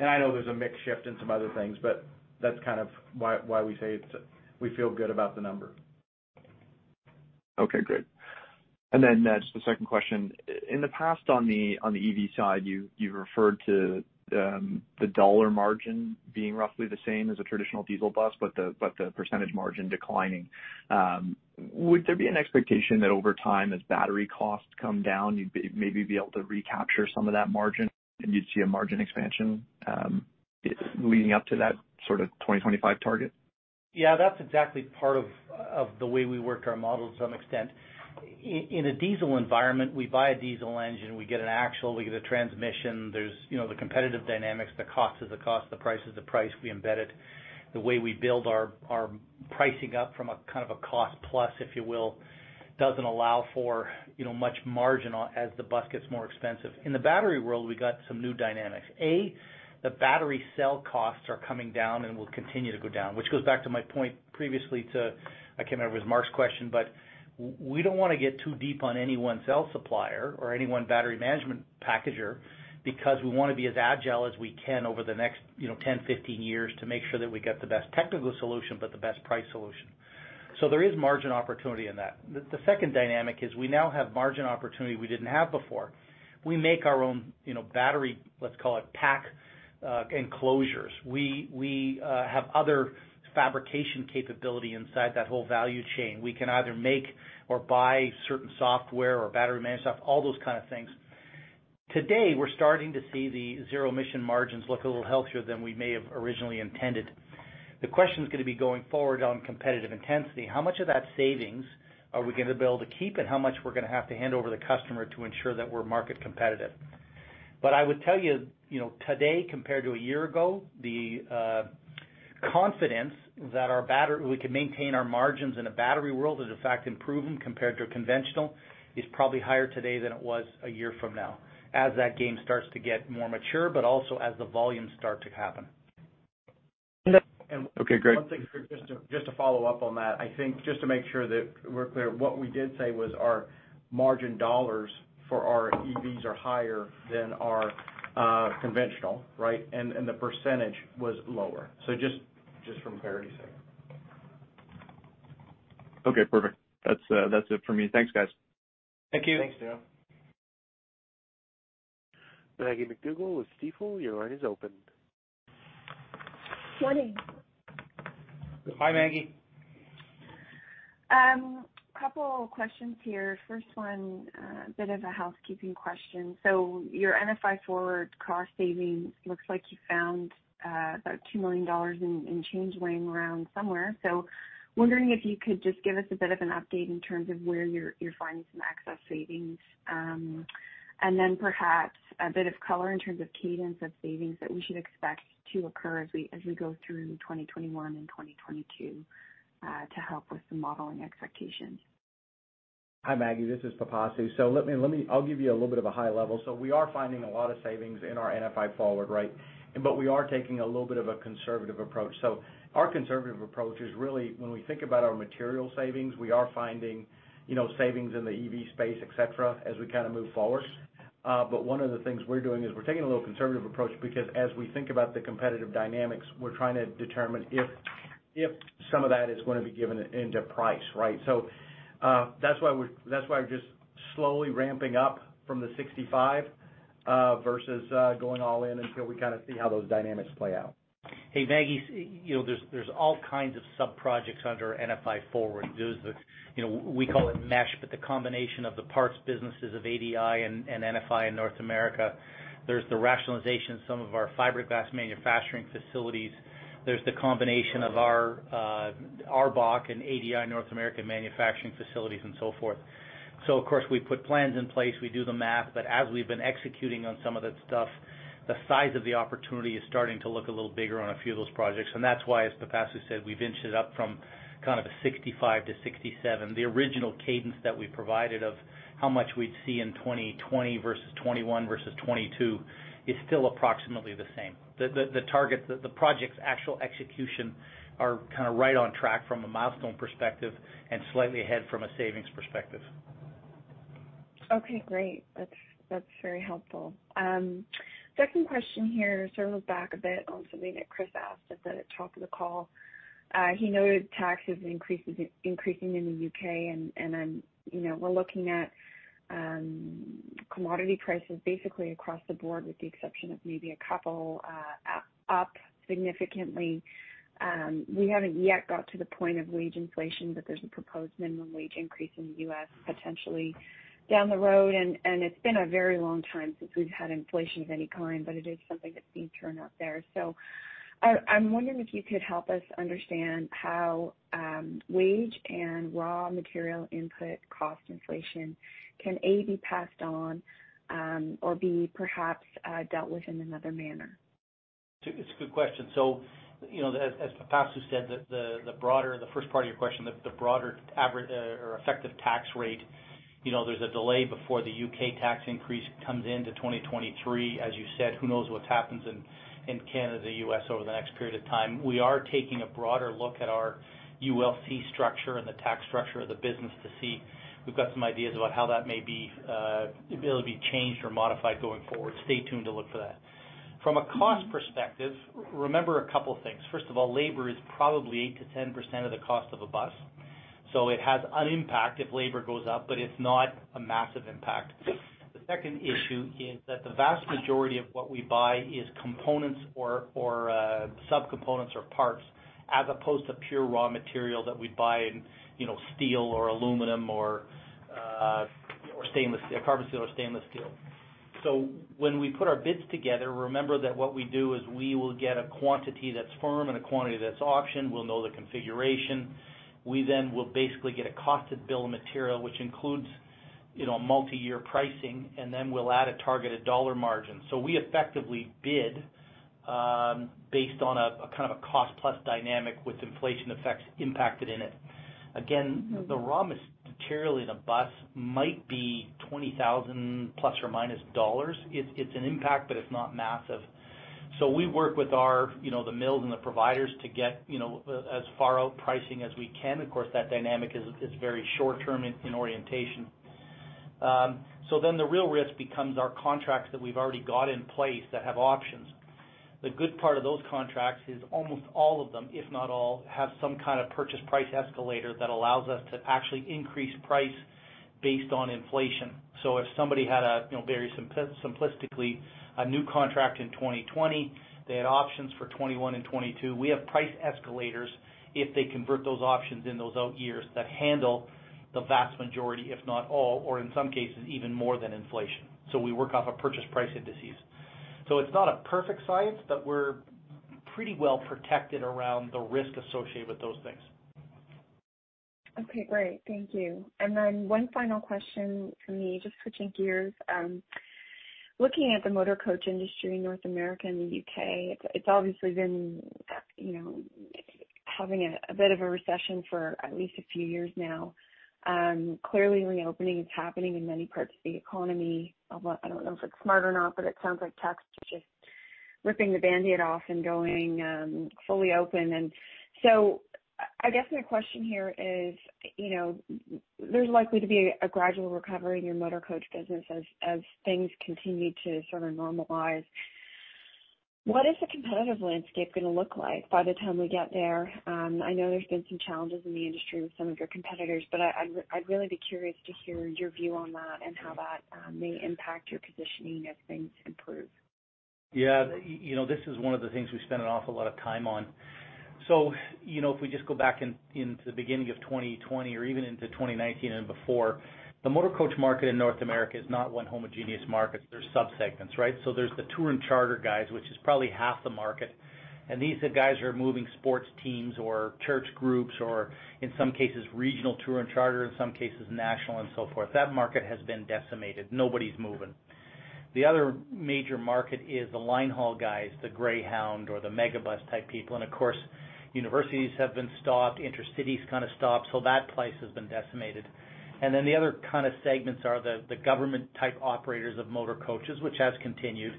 I know there's a mix shift in some other things, but that's kind of why we say we feel good about the number. Okay, great. Just a second question. In the past on the EV side, you've referred to the dollar margin being roughly the same as a traditional diesel bus, but the percentage margin declining. Would there be an expectation that over time, as battery costs come down, you'd maybe be able to recapture some of that margin and you'd see a margin expansion leading up to that sort of 2025 target? Yeah, that's exactly part of the way we work our model to some extent. In a diesel environment, we buy a diesel engine, we get an axle, we get a transmission. There's the competitive dynamics, the cost is the cost, the price is the price. We embed it. The way we build our pricing up from a kind of a cost plus, if you will, doesn't allow for much margin as the bus gets more expensive. In the battery world, we got some new dynamics. The battery cell costs are coming down and will continue to go down, which goes back to my point previously to, I can't remember if it was Mark's question, but we don't want to get too deep on any one cell supplier or any one battery management packager, because we want to be as agile as we can over the next 10, 15 years to make sure that we get the best technical solution, but the best price solution. There is margin opportunity in that. The second dynamic is we now have margin opportunity we didn't have before. We make our own battery, let's call it pack enclosures. We have other fabrication capability inside that whole value chain. We can either make or buy certain software or battery management stuff, all those kind of things. Today, we're starting to see the zero-emission margins look a little healthier than we may have originally intended. The question's going to be going forward on competitive intensity. How much of that savings are we going to be able to keep, and how much we're going to have to hand over to the customer to ensure that we're market competitive? I would tell you, today compared to a year ago, the confidence that we can maintain our margins in a battery world is in fact improving compared to a conventional, is probably higher today than it was a year from now, as that game starts to get more mature, but also as the volumes start to happen. Okay, great. One thing, just to follow up on that. I think just to make sure that we're clear, what we did say was our margin dollars for our EVs are higher than our conventional, right? The percentage was lower. Just from clarity's sake. Okay, perfect. That's it for me. Thanks, guys. Thank you. Thanks, Daryl. Maggie MacDougall with Stifel, your line is open. Morning. Hi, Maggie. Couple questions here. First one, a bit of a housekeeping question. Your NFI Forward cost savings looks like you found about 2 million dollars in change laying around somewhere. Wondering if you could just give us a bit of an update in terms of where you're finding some excess savings. Perhaps a bit of color in terms of cadence of savings that we should expect to occur as we go through 2021 and 2022 to help with the modeling expectations. Hi, Maggie. This is Pipasu. I'll give you a little bit of a high level. We are finding a lot of savings in our NFI Forward. We are taking a little bit of a conservative approach. Our conservative approach is really when we think about our material savings, we are finding savings in the EV space, et cetera, as we kind of move forward. One of the things we're doing is we're taking a little conservative approach because as we think about the competitive dynamics, we're trying to determine if some of that is going to be given into price, right? That's why we're just slowly ramping up from the 65 versus going all in until we kind of see how those dynamics play out. Hey, Maggie, there's all kinds of sub-projects under NFI Forward. We call it mesh, the combination of the parts businesses of ADL and NFI in North America. There's the rationalization of some of our fiberglass manufacturing facilities. There's the combination of our ARBOC and ADL North American manufacturing facilities and so forth. Of course, we put plans in place, we do the math, but as we've been executing on some of that stuff, the size of the opportunity is starting to look a little bigger on a few of those projects. That's why, as Pipasu said, we vinched it up from kind of a 65-67. The original cadence that we provided of how much we'd see in 2020 versus 2021 versus 2022 is still approximately the same. The project's actual execution are kind of right on track from a milestone perspective and slightly ahead from a savings perspective. Okay, great. That's very helpful. Second question here sort of looks back a bit on something that Chris asked at the top of the call. He noted taxes increasing in the U.K. and we're looking at commodity prices basically across the board with the exception of maybe a couple up significantly. We haven't yet got to the point of wage inflation, but there's a proposed minimum wage increase in the U.S. potentially down the road, and it's been a very long time since we've had inflation of any kind, but it is something that's being churned up there. I'm wondering if you could help us understand how wage and raw material input cost inflation can, A, be passed on, or B, perhaps dealt with in another manner. It's a good question. As Pipasu said, the first part of your question, the broader average or effective tax rate, there's a delay before the U.K. tax increase comes into 2023. As you said, who knows what happens in Canada, U.S. over the next period of time. We are taking a broader look at our ULC structure and the tax structure of the business to see. We've got some ideas about how that may be able to be changed or modified going forward. Stay tuned to look for that. From a cost perspective, remember a couple things. First of all, labor is probably 8%-10% of the cost of a bus, so it has an impact if labor goes up, but it's not a massive impact. The second issue is that the vast majority of what we buy is components or sub-components or parts as opposed to pure raw material that we'd buy in steel or aluminum or carbon steel or stainless steel. When we put our bids together, remember that what we do is we will get a quantity that's firm and a quantity that's auctioned. We'll know the configuration. We then will basically get a cost to build material, which includes multi-year pricing, and then we'll add a targeted dollar margin. We effectively bid based on a kind of a cost-plus dynamic with inflation effects impacted in it. Again, the raw material in a bus might be ±$20,000. It's an impact, but it's not massive. We work with the mills and the providers to get as far out pricing as we can. Of course, that dynamic is very short term in orientation. The real risk becomes our contracts that we've already got in place that have options. The good part of those contracts is almost all of them, if not all, have some kind of purchase price escalator that allows us to actually increase price based on inflation. If somebody had a, very simplistically, a new contract in 2020, they had options for 2021 and 2022, we have price escalators if they convert those options in those out years that handle the vast majority, if not all, or in some cases even more than inflation. We work off of purchase price indices. It's not a perfect science, but we're pretty well protected around the risk associated with those things. Okay, great. Thank you. Then one final question from me, just switching gears. Looking at the motorcoach industry in North America and the U.K., it's obviously been having a bit of a recession for at least a few years now. Clearly reopening is happening in many parts of the economy, although I don't know if it's smart or not, but it sounds like Texas is just ripping the Band-Aid off and going fully open. I guess my question here is, there's likely to be a gradual recovery in your motorcoach business as things continue to sort of normalize. What is the competitive landscape going to look like by the time we get there? I know there's been some challenges in the industry with some of your competitors, but I'd really be curious to hear your view on that and how that may impact your positioning as things improve. Yeah. This is one of the things we spend an awful lot of time on. If we just go back into the beginning of 2020 or even into 2019 and before, the motor coach market in North America is not one homogeneous market. There's subsegments, right? There's the tour and charter guys, which is probably half the market, and these are guys who are moving sports teams or church groups or in some cases regional tour and charter, in some cases national and so forth. That market has been decimated. Nobody's moving. The other major market is the line haul guys, the Greyhound or the Megabus type people, and of course, universities have been stopped, intercities kind of stopped. That place has been decimated. The other kind of segments are the government type operators of motorcoaches, which has continued,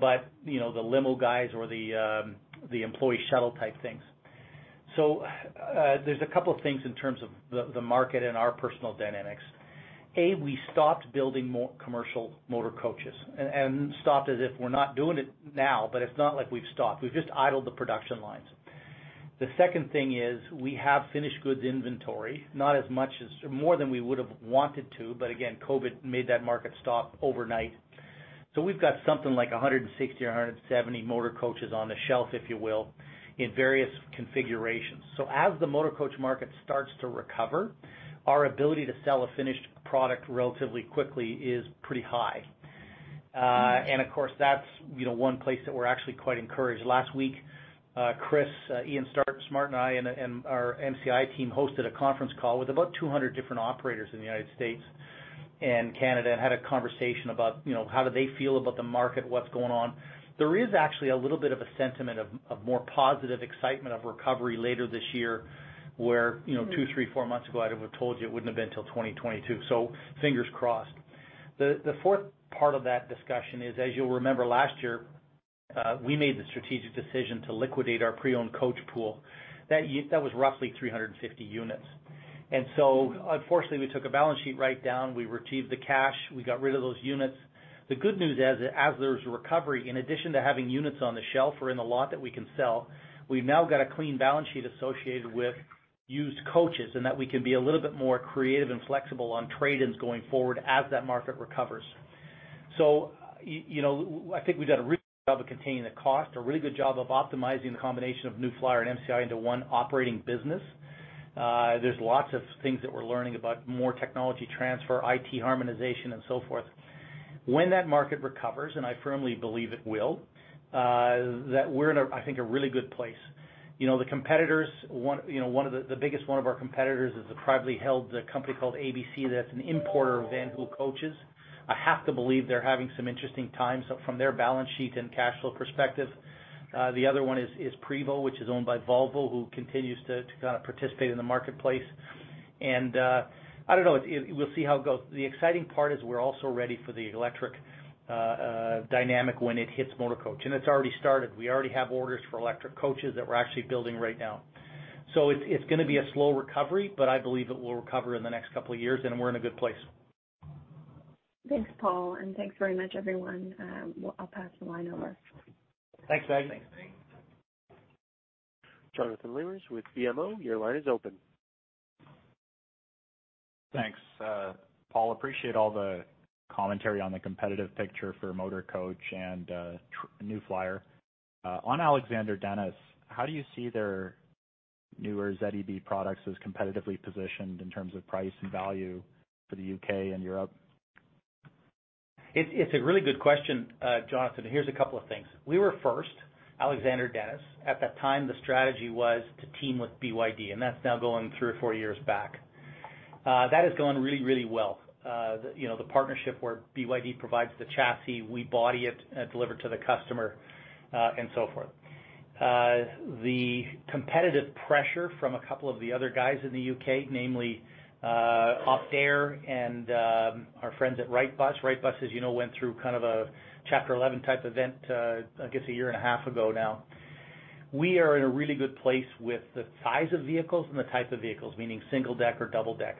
but the limo guys or the employee shuttle type things. There's a couple of things in terms of the market and our personal dynamics. A. We stopped building commercial motorcoaches and stopped as if we're not doing it now, but it's not like we've stopped. We've just idled the production lines. The second thing is we have finished goods inventory, more than we would have wanted to, but again, COVID made that market stop overnight. We've got something like 160 or 170 motorcoaches on the shelf, if you will, in various configurations. Of course, that's one place that we're actually quite encouraged. Last week, Chris, Ian Smart, and I and our MCI team hosted a conference call with about 200 different operators in the U.S. and Canada and had a conversation about how do they feel about the market, what's going on? There is actually a little bit of a sentiment of more positive excitement of recovery later this year, where two, three, four months ago, I'd have told you it wouldn't have been till 2022. Fingers crossed. The fourth part of that discussion is, as you'll remember, last year, we made the strategic decision to liquidate our pre-owned coach pool. That was roughly 350 units. Unfortunately, we took a balance sheet write down. We retrieved the cash. We got rid of those units. The good news is, as there's a recovery, in addition to having units on the shelf or in the lot that we can sell, we've now got a clean balance sheet associated with used coaches, and that we can be a little bit more creative and flexible on trade-ins going forward as that market recovers. I think we've done a really good job of containing the cost, a really good job of optimizing the combination of New Flyer and MCI into one operating business. There's lots of things that we're learning about more technology transfer, IT harmonization and so forth. When that market recovers, and I firmly believe it will, that we're in, I think, a really good place. The biggest one of our competitors is a privately held company called ABC, that's an importer of Van Hool coaches. I have to believe they're having some interesting times from their balance sheet and cash flow perspective. The other one is Prevost, which is owned by Volvo, who continues to kind of participate in the marketplace. I don't know. We'll see how it goes. The exciting part is we're also ready for the electric dynamic when it hits motorcoach, and it's already started. We already have orders for electric coaches that we're actually building right now. It's going to be a slow recovery, but I believe it will recover in the next couple of years, and we're in a good place. Thanks, Paul, and thanks very much, everyone. I'll pass the line over. Thanks, Maggie. Jonathan Lamers with BMO, your line is open. Thanks. Paul, appreciate all the commentary on the competitive picture for Motor Coach and New Flyer. On Alexander Dennis, how do you see their newer ZEB products as competitively positioned in terms of price and value for the U.K. and Europe? It's a really good question, Jonathan. Here's a couple of things. We were first, Alexander Dennis. At that time, the strategy was to team with BYD, and that's now going three or four years back. That has gone really well. The partnership where BYD provides the chassis, we body it, deliver to the customer, and so forth. The competitive pressure from a couple of the other guys in the U.K., namely Optare and our friends at Wrightbus. Wrightbus as you know, went through kind of a Chapter 11 type event, I guess, a year and a half ago now. We are in a really good place with the size of vehicles and the type of vehicles, meaning single deck or double deck.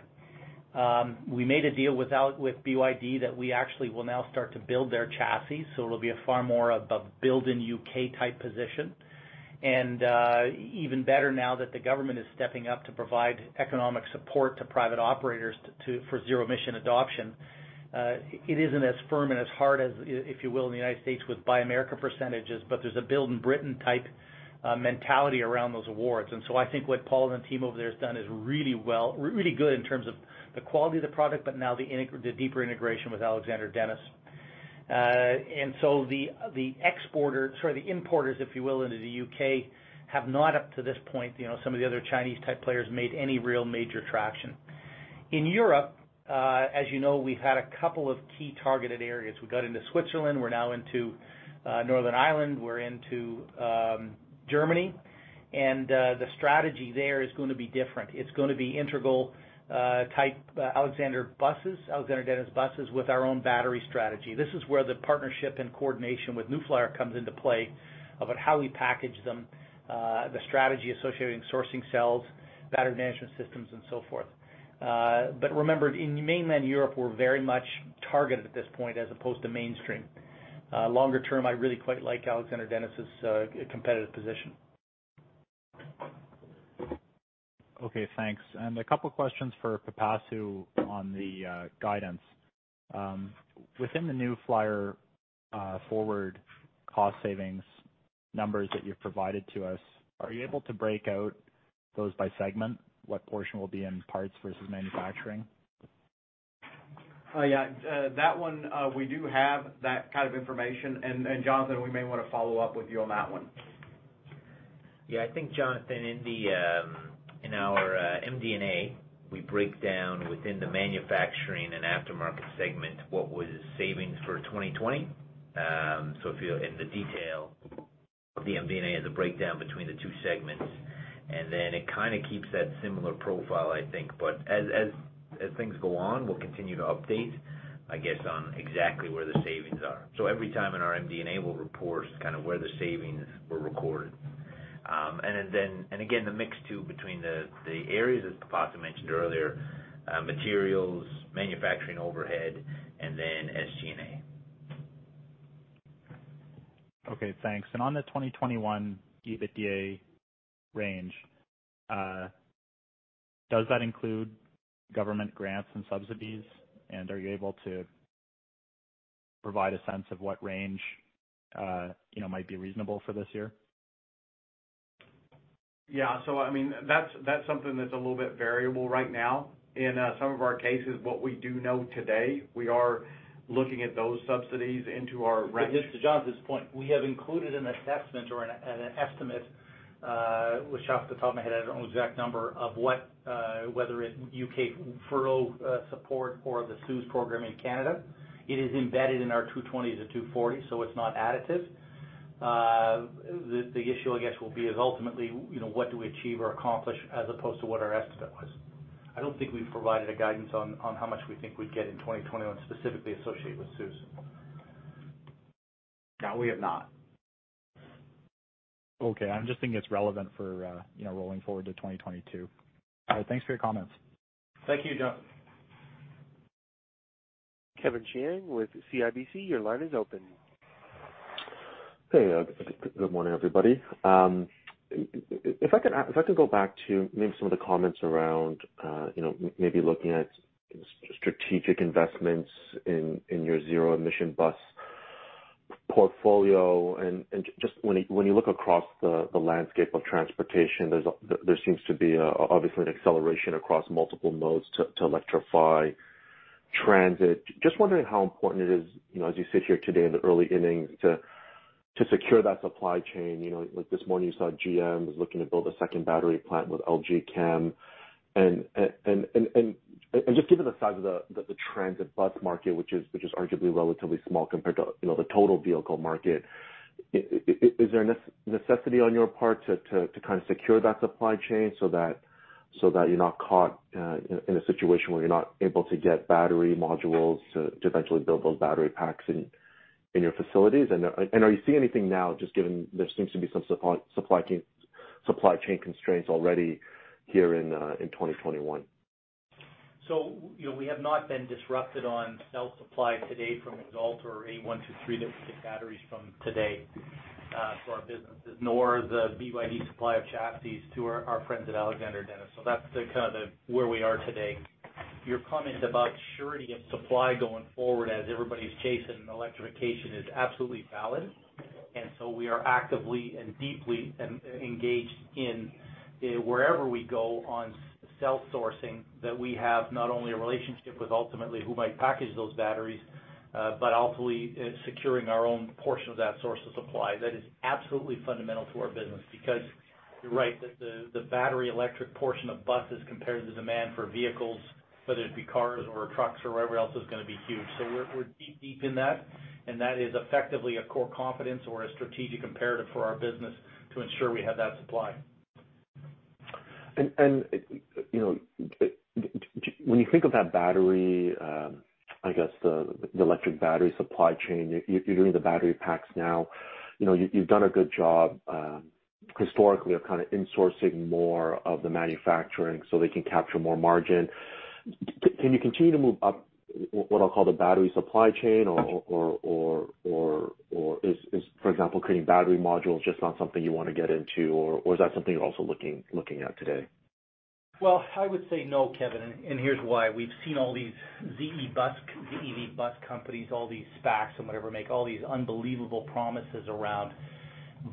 We made a deal with BYD that we actually will now start to build their chassis, so it'll be a far more of a build in U.K. type position. Even better now that the government is stepping up to provide economic support to private operators for zero emission adoption. It isn't as firm and as hard as, if you will, in the U.S. with Buy America percentages, but there's a build in Britain type mentality around those awards. I think what Paul and the team over there has done is really good in terms of the quality of the product, but now the deeper integration with Alexander Dennis. The importers, if you will, into the U.K., have not up to this point, some of the other Chinese type players, made any real major traction. In Europe, as you know, we've had a couple of key targeted areas. We got into Switzerland, we are now into Northern Ireland, we are into Germany, and the strategy there is going to be different. It is going to be integral type Alexander Dennis buses with our own battery strategy. This is where the partnership and coordination with New Flyer comes into play about how we package them, the strategy associated in sourcing cells, battery management systems, and so forth. Remember, in mainland Europe, we are very much targeted at this point as opposed to mainstream. Longer term, I really quite like Alexander Dennis's competitive position. Okay, thanks. A couple questions for Pipasu on the guidance. Within the NFI Forward cost savings numbers that you've provided to us, are you able to break out those by segment? What portion will be in parts versus manufacturing? Yeah, that one, we do have that kind of information. Jonathan, we may want to follow up with you on that one. Yeah, I think Jonathan, in our MD&A, we break down within the manufacturing and aftermarket segment, what was savings for 2020. If you look in the detail of the MD&A as a breakdown between the two segments, it kind of keeps that similar profile, I think. As things go on, we'll continue to update, I guess, on exactly where the savings are. Every time in our MD&A, we'll report kind of where the savings were recorded. Again, the mix too between the areas, as Pipasu mentioned earlier, materials, manufacturing overhead, and SG&A. Okay, thanks. On the 2021 EBITDA range, does that include government grants and subsidies? Are you able to provide a sense of what range might be reasonable for this year? Yeah. I mean, that's something that's a little bit variable right now. In some of our cases, what we do know today, we are looking at those subsidies into our ZEB. Just to Jonathan's point, we have included an assessment or an estimate, which off the top of my head, I don't know the exact number of whether it U.K. furlough support or the CEWS program in Canada. It is embedded in our 220-240, it's not additive. The issue, I guess, will be is ultimately, what do we achieve or accomplish as opposed to what our estimate was. I don't think we've provided a guidance on how much we think we'd get in 2021 specifically associated with CEWS. No, we have not. Okay. I'm just thinking it's relevant for rolling forward to 2022. Thanks for your comments. Thank you, John. Kevin Chiang with CIBC, your line is open. Hey, good morning, everybody. If I could go back to maybe some of the comments around maybe looking at strategic investments in your Zero-Emission Bus portfolio, and just when you look across the landscape of transportation, there seems to be, obviously, an acceleration across multiple modes to electrify transit. Just wondering how important it is, as you sit here today in the early innings, to secure that supply chain. Like this morning, you saw GM was looking to build a second battery plant with LG Chem. Just given the size of the transit bus market, which is arguably relatively small compared to the total vehicle market, is there a necessity on your part to kind of secure that supply chain so that you're not caught in a situation where you're not able to get battery modules to eventually build those battery packs in your facilities? Are you seeing anything now, just given there seems to be some supply chain constraints already here in 2021? We have not been disrupted on cell supply today from Xalt or any one, two, three that we get batteries from today, for our businesses, nor the BYD supply of chassis to our friends at Alexander Dennis. That's kind of where we are today. Your comment about surety of supply going forward, as everybody's chasing electrification, is absolutely valid. We are actively and deeply engaged in wherever we go on cell sourcing that we have not only a relationship with ultimately who might package those batteries, but ultimately securing our own portion of that source of supply. That is absolutely fundamental to our business because you're right that the battery electric portion of buses compared to demand for vehicles, whether it be cars or trucks or whatever else, is going to be huge. We're deep in that, and that is effectively a core competence or a strategic imperative for our business to ensure we have that supply. When you think of that battery, I guess the electric battery supply chain, you're doing the battery packs now. You've done a good job historically of kind of insourcing more of the manufacturing so they can capture more margin. Can you continue to move up what I'll call the battery supply chain? Or is, for example, creating battery modules just not something you want to get into? Or is that something you're also looking at today? I would say no, Kevin, and here's why. We've seen all these ZEB, ZE Bus companies, all these SPACs and whatever, make all these unbelievable promises around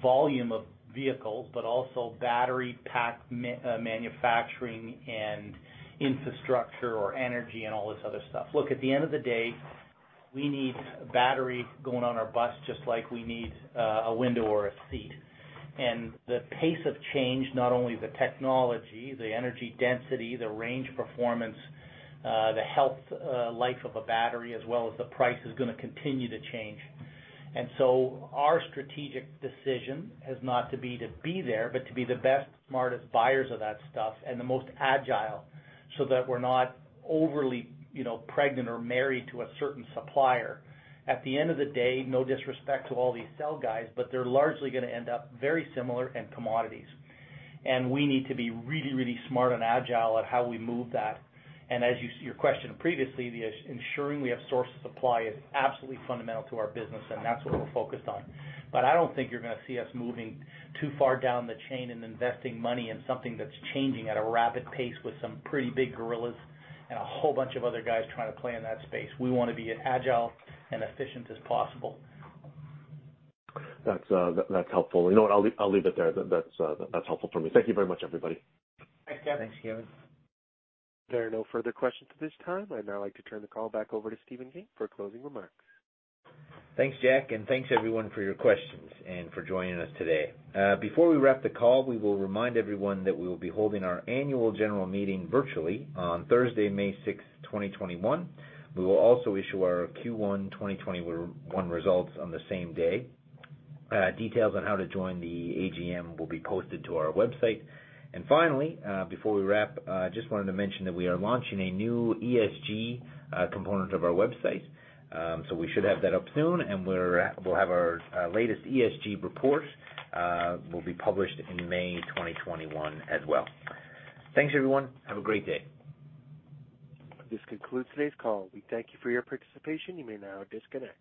volume of vehicles, but also battery pack manufacturing and infrastructure or energy and all this other stuff. Look, at the end of the day, we need a battery going on our bus just like we need a window or a seat. The pace of change, not only the technology, the energy density, the range performance, the health life of a battery, as well as the price, is going to continue to change. Our strategic decision is not to be there, but to be the best, smartest buyers of that stuff and the most agile, so that we're not overly pregnant or married to a certain supplier. At the end of the day, no disrespect to all these cell guys, but they're largely going to end up very similar in commodities. We need to be really smart and agile at how we move that. As your question previously, ensuring we have source supply is absolutely fundamental to our business, and that's what we're focused on. I don't think you're going to see us moving too far down the chain and investing money in something that's changing at a rapid pace with some pretty big gorillas and a whole bunch of other guys trying to play in that space. We want to be as agile and efficient as possible. That's helpful. You know what? I'll leave it there. That's helpful for me. Thank you very much, everybody. Thanks, Kevin. Thanks, Kevin. There are no further questions at this time. I'd now like to turn the call back over to Stephen King for closing remarks. Thanks, Jack. Thanks everyone for your questions and for joining us today. Before we wrap the call, we will remind everyone that we will be holding our annual general meeting virtually on Thursday, May 6th, 2021. We will also issue our Q1 2021 results on the same day. Details on how to join the AGM will be posted to our website. Finally, before we wrap, I just wanted to mention that we are launching a new ESG component of our website. We should have that up soon. Our latest ESG report will be published in May 2021 as well. Thanks everyone. Have a great day. This concludes today's call. We thank you for your participation. You may now disconnect.